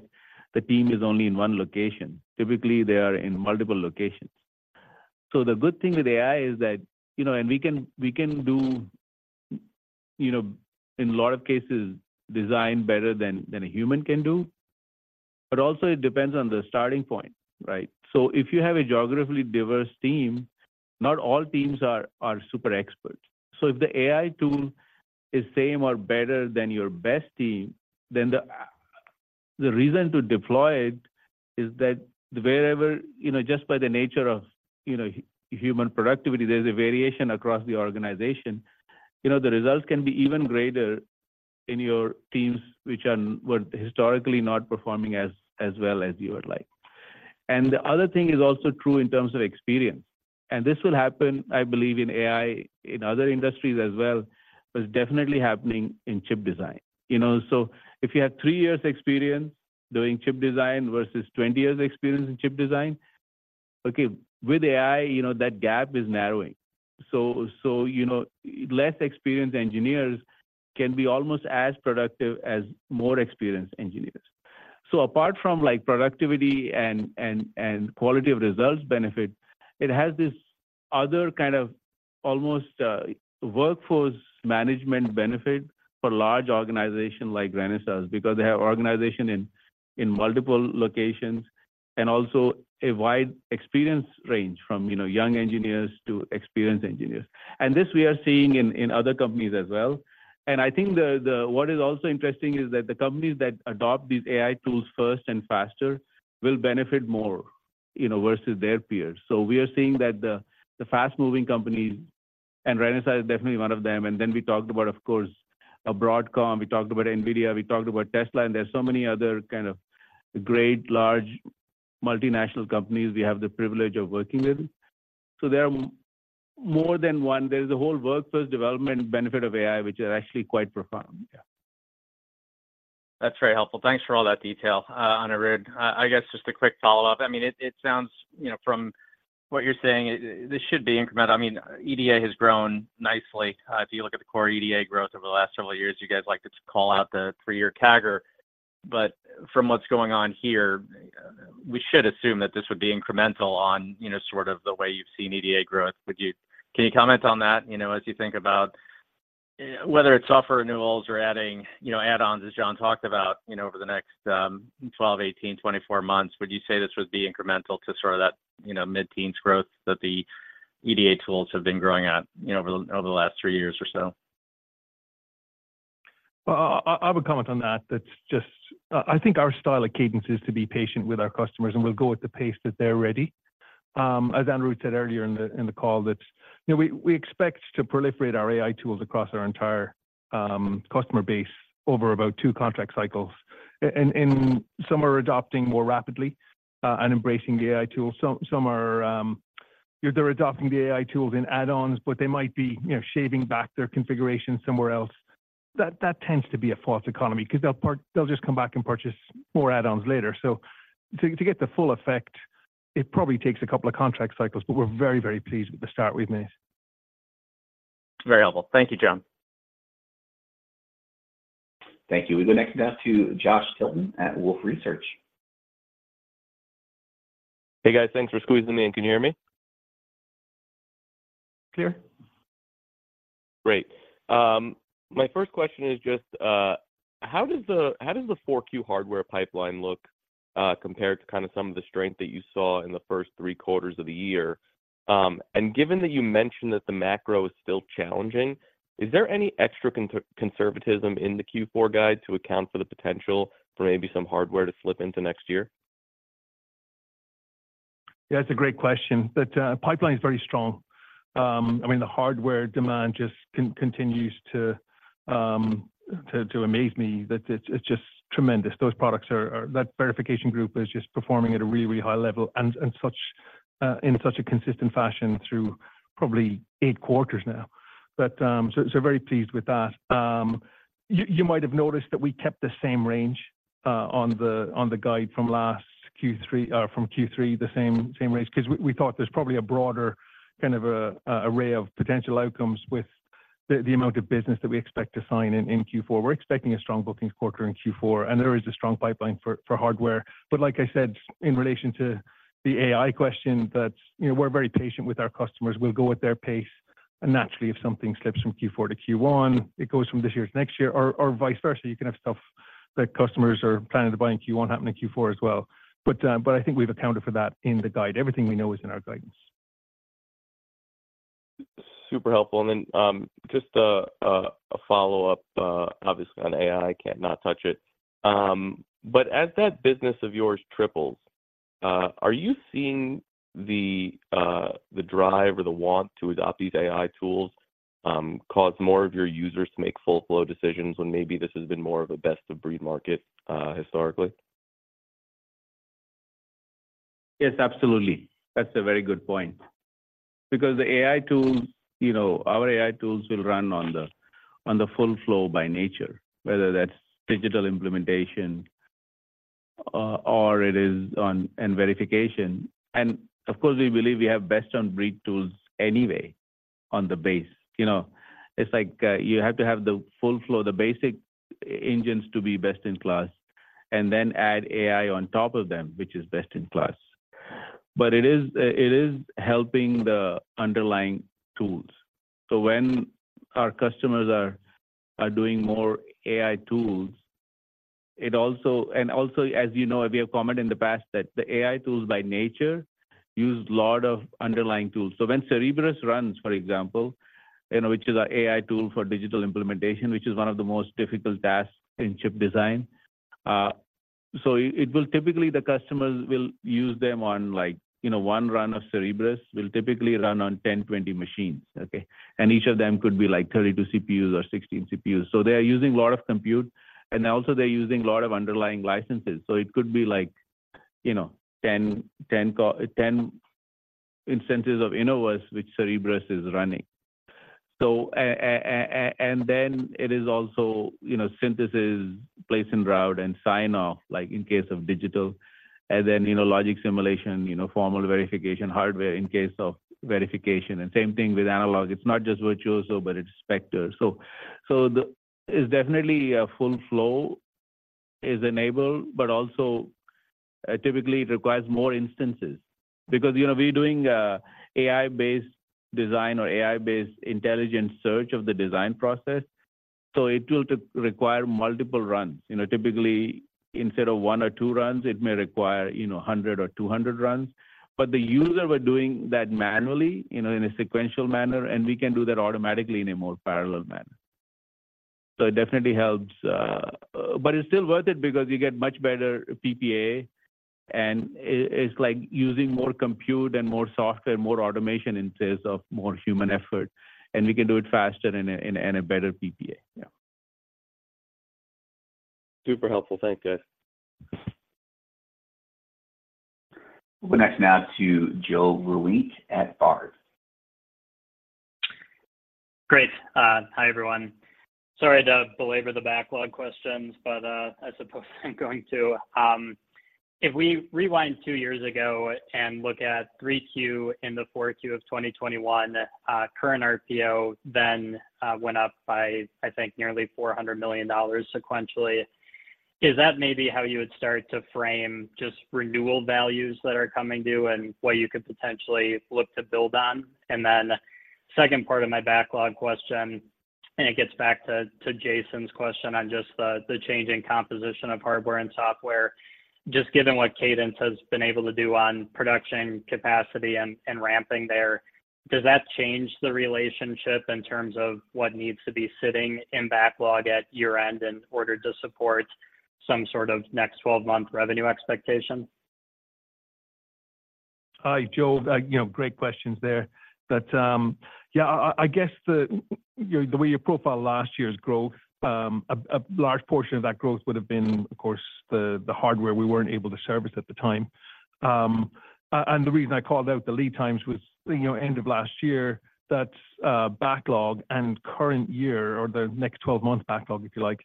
the team is only in one location. Typically, they are in multiple locations. So the good thing with AI is that, you know, and we can, we can do, you know, in a lot of cases, design better than, than a human can do. But also it depends on the starting point, right? So if you have a geographically diverse team, not all teams are, are super experts. So if the AI tool is same or better than your best team, then the, the reason to deploy it is that wherever, you know, just by the nature of, you know, human productivity, there's a variation across the organization. You know, the results can be even greater in your teams, which are, were historically not performing as, as well as you would like. And the other thing is also true in terms of experience, and this will happen, I believe, in AI, in other industries as well, but it's definitely happening in chip design. You know, so if you have three years experience doing chip design versus 20 years experience in chip design. Okay, with AI, you know, that gap is narrowing. So, you know, less experienced engineers can be almost as productive as more experienced engineers. So apart from like, productivity and quality of results benefit, it has this other kind of almost, workforce management benefit for large organization like Renesas, because they have organization in multiple locations and also a wide experience range from, you know, young engineers to experienced engineers. And this we are seeing in other companies as well. And I think the what is also interesting is that the companies that adopt these AI tools first and faster will benefit more, you know, versus their peers. So we are seeing that the fast-moving companies, and Renesas is definitely one of them. Then we talked about, of course, Broadcom, we talked about NVIDIA, we talked about Tesla, and there are so many other kind of great large multinational companies we have the privilege of working with. There are more than one. There's a whole workforce development benefit of AI, which is actually quite profound. Yeah. That's very helpful. Thanks for all that detail, Anirudh. I guess just a quick follow-up. I mean, it sounds, you know, from what you're saying, this should be incremental. I mean, EDA has grown nicely. If you look at the core EDA growth over the last several years, you guys like to call out the three-year CAGR. But from what's going on here, we should assume that this would be incremental on, you know, sort of the way you've seen EDA growth. Would you—can you comment on that, you know, as you think about, whether it's software renewals or adding, you know, add-ons, as John talked about, you know, over the next 12, 18, 24 months, would you say this would be incremental to sort of that, you know, mid-teen growth that the EDA tools have been growing at, you know, over the, over the last three years or so? Well, I would comment on that. That's just, I think our style at Cadence is to be patient with our customers, and we'll go at the pace that they're ready. As Anirudh said earlier in the call, you know, we expect to proliferate our AI tools across our entire customer base over about two contract cycles. And some are adopting more rapidly and embracing the AI tools. Some are adopting the AI tools in add-ons, but they might be, you know, shaving back their configuration somewhere else. That tends to be a false economy because they'll just come back and purchase more add-ons later. So to get the full effect, it probably takes a couple of contract cycles, but we're very, very pleased with the start we've made. Very helpful. Thank you, John. Thank you. We go next now to Josh Tilton at Wolfe Research. Hey, guys. Thanks for squeezing me in. Can you hear me? Clear. Great. My first question is just, how does the Q4 hardware pipeline look, compared to kind of some of the strength that you saw in the first three quarters of the year? And given that you mentioned that the macro is still challenging, is there any extra conservatism in the Q4 guide to account for the potential for maybe some hardware to slip into next year? Yeah, it's a great question. That pipeline is very strong. I mean, the hardware demand just continues to amaze me, that it's just tremendous. Those products are that verification group is just performing at a really, really high level and such in such a consistent fashion through probably eight quarters now. But, so very pleased with that. You might have noticed that we kept the same range on the guide from last Q3 from Q3, the same range, because we thought there's probably a broader kind of a array of potential outcomes with the amount of business that we expect to sign in Q4. We're expecting a strong bookings quarter in Q4, and there is a strong pipeline for hardware. But like I said, in relation to the AI question, that, you know, we're very patient with our customers. We'll go at their pace, and naturally, if something slips from Q4 to Q1, it goes from this year to next year, or, or vice versa. You can have stuff that customers are planning to buy in Q1, happen in Q4 as well. But, but I think we've accounted for that in the guide. Everything we know is in our guidance. Super helpful. Then, just a follow-up, obviously on AI, can't not touch it. But as that business of yours triples, are you seeing the drive or the want to adopt these AI tools, causing more of your users to make full flow decisions when maybe this has been more of a best-of-breed market, historically? Yes, absolutely. That's a very good point. Because the AI tools, you know, our AI tools will run on the, on the full flow by nature, whether that's digital implementation, or it is on, in verification. And of course, we believe we have best-in-breed tools anyway, on the base. You know, it's like, you have to have the full flow, the basic engines to be best in class, and then add AI on top of them, which is best in class. But it is, it is helping the underlying tools. So when our customers are doing more AI tools, it also, and also, as you know, we have commented in the past that the AI tools by nature use a lot of underlying tools. So when Cerebrus runs, for example, you know, which is our AI tool for digital implementation, which is one of the most difficult tasks in chip design. So it will typically, the customers will use them on like, you know, one run of Cerebrus will typically run on 10, 20 machines, okay? And each of them could be like 32 CPUs or 16 CPUs. So they are using a lot of compute, and also they're using a lot of underlying licenses. So it could be like, you know, 10 instances of Innovus, which Cerebrus is running. So and then it is also, you know, synthesis, place and route, and sign-off, like in case of digital, and then, you know, logic simulation, you know, formal verification, hardware in case of verification. And same thing with analog. It's not just Virtuoso, but it's Spectre. So, the—it's definitely a full flow is enabled, but also, typically it requires more instances. Because, you know, we're doing AI-based design or AI-based intelligent search of the design process, so it will require multiple runs. You know, typically, instead of one or two runs, it may require, you know, 100 or 200 runs. But the user were doing that manually, you know, in a sequential manner, and we can do that automatically in a more parallel manner. So it definitely helps, but it's still worth it because you get much better PPA, and it, it's like using more compute and more software, more automation, instead of more human effort, and we can do it faster and a better PPA. Yeah. Super helpful. Thank you. We'll go next now to Joe Vruwink at Baird. Great. Hi, everyone. Sorry to belabor the backlog questions, but, I suppose I'm going to. If we rewind two years ago and look at Q3 and the Q4 of 2021, current RPO then, went up by, I think, nearly $400 million sequentially. Is that maybe how you would start to frame just renewal values that are coming due and what you could potentially look to build on? And then second part of my backlog question, and it gets back to, to Jason's question on just the, the changing composition of hardware and software. Just given what Cadence has been able to do on production capacity and, and ramping there, does that change the relationship in terms of what needs to be sitting in backlog at year-end in order to support some sort of next 12-month revenue expectation? Hi, Joe. You know, great questions there. But, yeah, I guess the way you profiled last year's growth, a large portion of that growth would have been, of course, the hardware we weren't able to service at the time. And the reason I called out the lead times was, you know, end of last year, that backlog and current year, or the next 12-month backlog, if you like,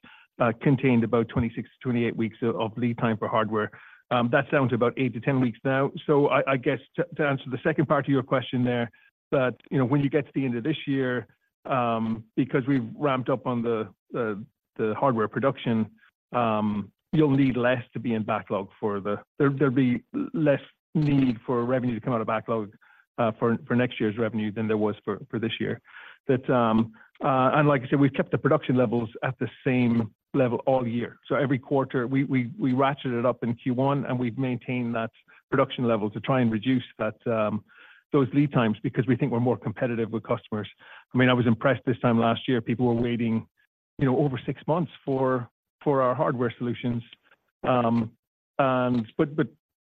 contained about 26, 28 weeks of lead time for hardware. That's down to about eight to 10 weeks now. So, I guess, to answer the second part of your question there, that, you know, when you get to the end of this year, because we've ramped up on the hardware production, you'll need less to be in backlog. There'll be less need for revenue to come out of backlog for next year's revenue than there was for this year. But, and like I said, we've kept the production levels at the same level all year. So every quarter, we ratcheted it up in Q1, and we've maintained that production level to try and reduce those lead times because we think we're more competitive with customers. I mean, I was impressed this time last year, people were waiting, you know, over six months for our hardware solutions.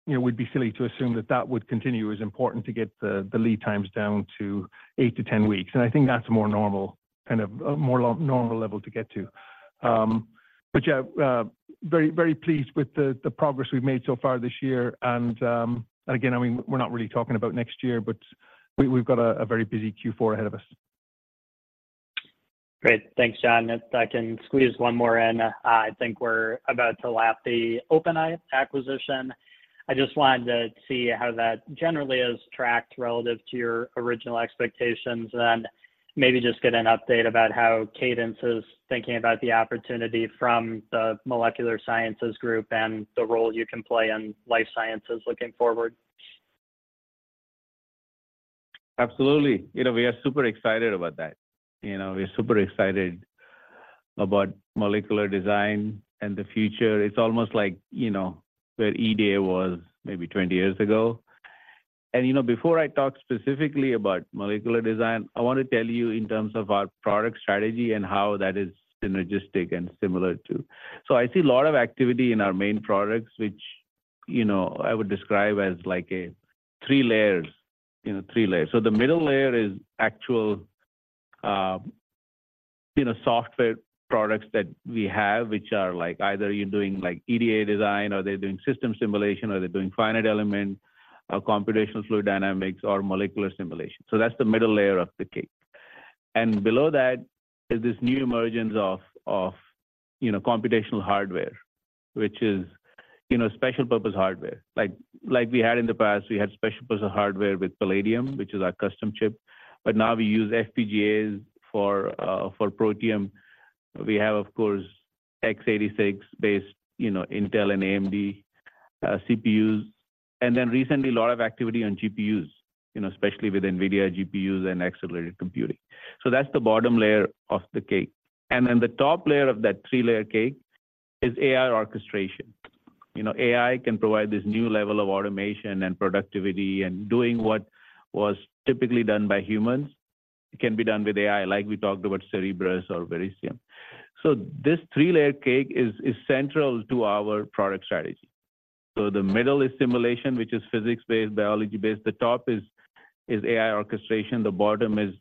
You know, we'd be silly to assume that that would continue. It's important to get the lead times down to 8-10 weeks, and I think that's more normal, kind of, more normal level to get to. But yeah, very, very pleased with the progress we've made so far this year. And again, I mean, we're not really talking about next year, but we've got a very busy Q4 ahead of us. Great. Thanks, John. If I can squeeze one more in, I think we're about to lap the OpenEye acquisition. I just wanted to see how that generally has tracked relative to your original expectations, and maybe just get an update about how Cadence is thinking about the opportunity from the Molecular Sciences group and the role you can play in life sciences looking forward. Absolutely. You know, we are super excited about that. You know, we're super excited about molecular design and the future. It's almost like, you know, where EDA was maybe 20 years ago. You know, before I talk specifically about molecular design, I want to tell you in terms of our product strategy and how that is synergistic and similar to. So I see a lot of activity in our main products, which, you know, I would describe as like a three layers, you know, three layers. So the middle layer is actual, you know, software products that we have, which are like either you're doing, like, EDA design, or they're doing system simulation, or they're doing finite element, or computational fluid dynamics, or molecular simulation. So that's the middle layer of the cake. Below that is this new emergence of, you know, computational hardware, which is, you know, special-purpose hardware. Like we had in the past, we had special-purpose hardware with Palladium, which is our custom chip, but now we use FPGAs for Protium. We have, of course, x86-based, you know, Intel and AMD CPUs, and then recently, a lot of activity on GPUs, you know, especially with NVIDIA GPUs and accelerated computing. So that's the bottom layer of the cake. And then the top layer of that three-layer cake is AI orchestration. You know, AI can provide this new level of automation and productivity, and doing what was typically done by humans. It can be done with AI, like we talked about Cerebrus or Verisium. So this three-layer cake is central to our product strategy. So the middle is simulation, which is physics-based, biology-based. The top is AI orchestration, the bottom is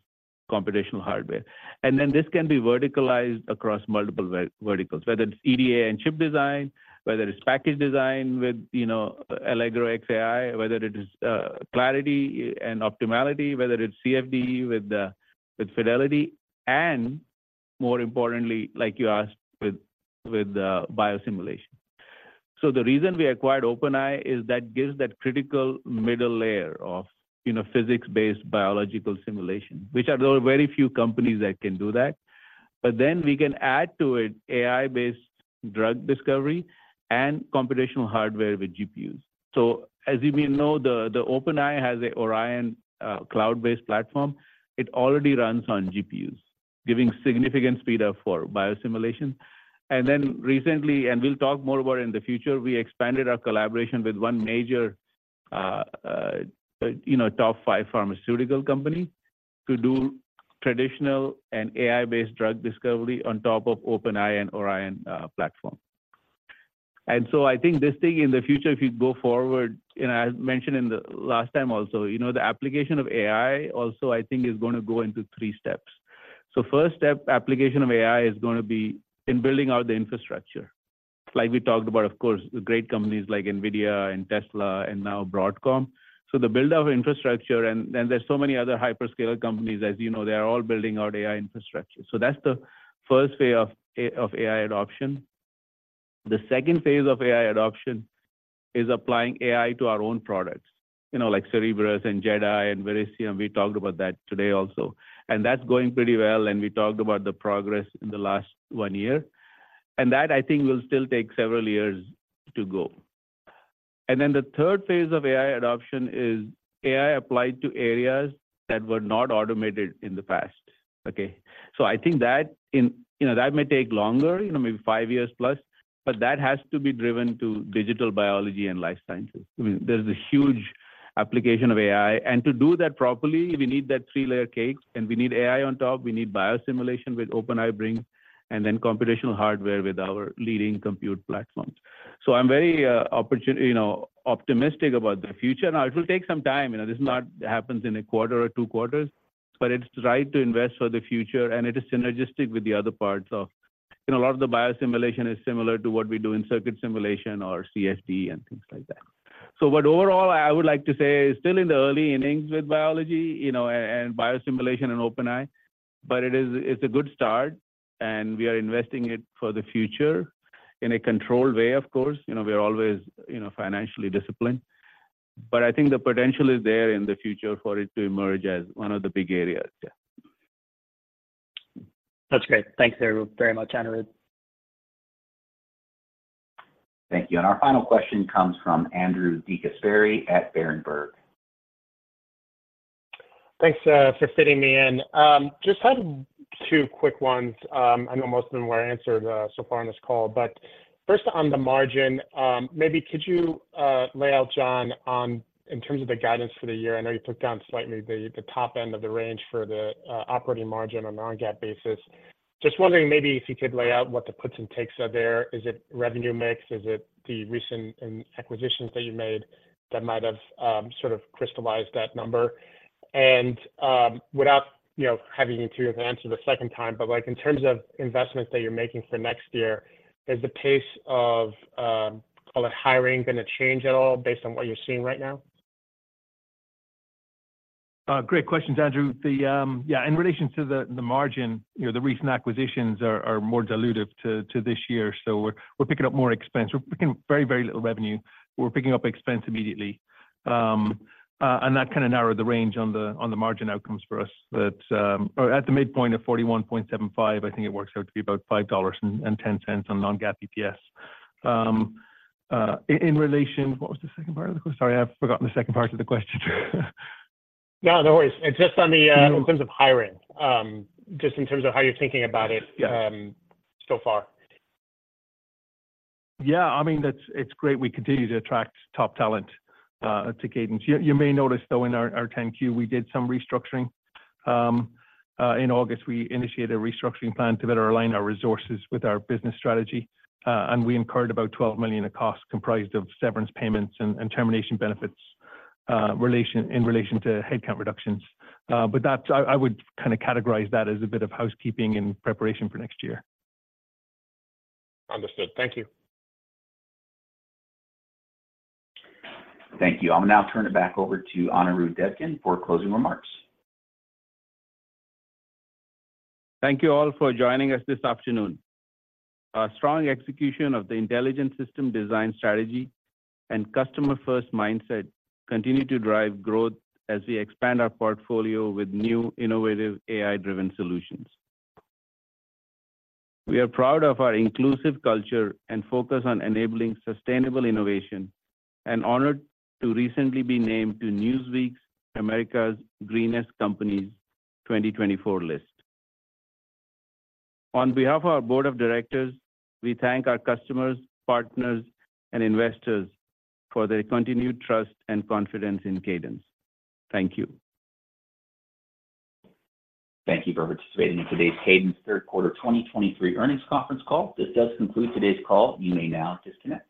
computational hardware. And then this can be verticalized across multiple verticals, whether it's EDA and chip design, whether it's package design with, you know, Allegro X AI, whether it is Clarity and Optimality, whether it's CFD with Fidelity, and more importantly, like you asked, with biosimulation. So the reason we acquired OpenEye is that gives that critical middle layer of, you know, physics-based biological simulation, which are very few companies that can do that. But then we can add to it AI-based drug discovery and computational hardware with GPUs. So as you may know, the OpenEye has a Orion cloud-based platform. It already runs on GPUs, giving significant speed up for biosimulation. And then recently, and we'll talk more about in the future, we expanded our collaboration with one major, you know, top five pharmaceutical company to do traditional and AI-based drug discovery on top of OpenEye and Orion platform. And so I think this thing in the future, if you go forward, and I mentioned in the last time also, you know, the application of AI also, I think, is gonna go into three steps. So first step, application of AI is gonna be in building out the infrastructure. Like we talked about, of course, great companies like NVIDIA and Tesla and now Broadcom. So the build of infrastructure, and there's so many other hyperscaler companies, as you know, they are all building out AI infrastructure. So that's the first phase of AI adoption. The second phase of AI adoption is applying AI to our own products, you know, like Cerebrus and JedAI and Verisium. We talked about that today also, and that's going pretty well, and we talked about the progress in the last one year. And that, I think, will still take several years to go. And then the third phase of AI adoption is AI applied to areas that were not automated in the past, okay? So I think that in—you know, that may take longer, you know, maybe five years plus, but that has to be driven to digital biology and life sciences. I mean, there's a huge application of AI, and to do that properly, we need that three-layer cake, and we need AI on top. We need biosimulation, which OpenEye brings, and then computational hardware with our leading compute platforms. So I'm very opportunistic, you know, about the future. Now, it will take some time. You know, this does not happen in a quarter or two quarters, but it's right to invest for the future, and it is synergistic with the other parts. So, you know, a lot of the biosimulation is similar to what we do in circuit simulation or CFD and things like that. But overall, I would like to say still in the early innings with biology, you know, and biosimulation and OpenEye, but it's a good start, and we are investing in it for the future in a controlled way, of course. You know, we are always, you know, financially disciplined, but I think the potential is there in the future for it to emerge as one of the big areas. Yeah. That's great. Thanks very, very much, Anirudh. Thank you. And our final question comes from Andrew DeGasperi at Berenberg. Thanks for fitting me in. Just had two quick ones. I know most of them were answered so far on this call, but first, on the margin, maybe could you lay out, John, in terms of the guidance for the year, I know you put down slightly the top end of the range for the operating margin on non-GAAP basis. Just wondering maybe if you could lay out what the puts and takes are there. Is it revenue mix? Is it the recent acquisitions that you made that might have sort of crystallized that number? And without you know having you two answer the second time, but like in terms of investments that you're making for next year, is the pace of call it hiring gonna change at all based on what you're seeing right now? Great questions, Andrew. The, yeah, in relation to the, the margin, you know, the recent acquisitions are, are more dilutive to, to this year, so we're, we're picking up more expense. We're picking very, very little revenue. We're picking up expense immediately, and that kind of narrowed the range on the, on the margin outcomes for us. But, or at the midpoint of 41.75, I think it works out to be about $5 and $0.10 on non-GAAP EPS. In relation-- What was the second part of the question? Sorry, I've forgotten the second part of the question. No, no worries. It's just on the in terms of hiring, just in terms of how you're thinking about it- Yes... so far. Yeah, I mean, it's great we continue to attract top talent to Cadence. You may notice, though, in our Form 10-Q, we did some restructuring. In August, we initiated a restructuring plan to better align our resources with our business strategy, and we incurred about $12 million in costs comprised of severance payments and termination benefits in relation to headcount reductions. But I would kind of categorize that as a bit of housekeeping in preparation for next year. Understood. Thank you. Thank you. I'll now turn it back over to Anirudh Devgan for closing remarks. Thank you all for joining us this afternoon. Our strong execution of the Intelligent System Design strategy and customer-first mindset continue to drive growth as we expand our portfolio with new innovative AI-driven solutions. We are proud of our inclusive culture and focus on enabling sustainable innovation and honored to recently be named to Newsweek's America's Greenest Companies 2024 list. On behalf of our board of directors, we thank our customers, partners, and investors for their continued trust and confidence in Cadence. Thank you. Thank you for participating in today's Cadence Q3 2023 Earnings Conference Call. This does conclude today's call. You may now disconnect.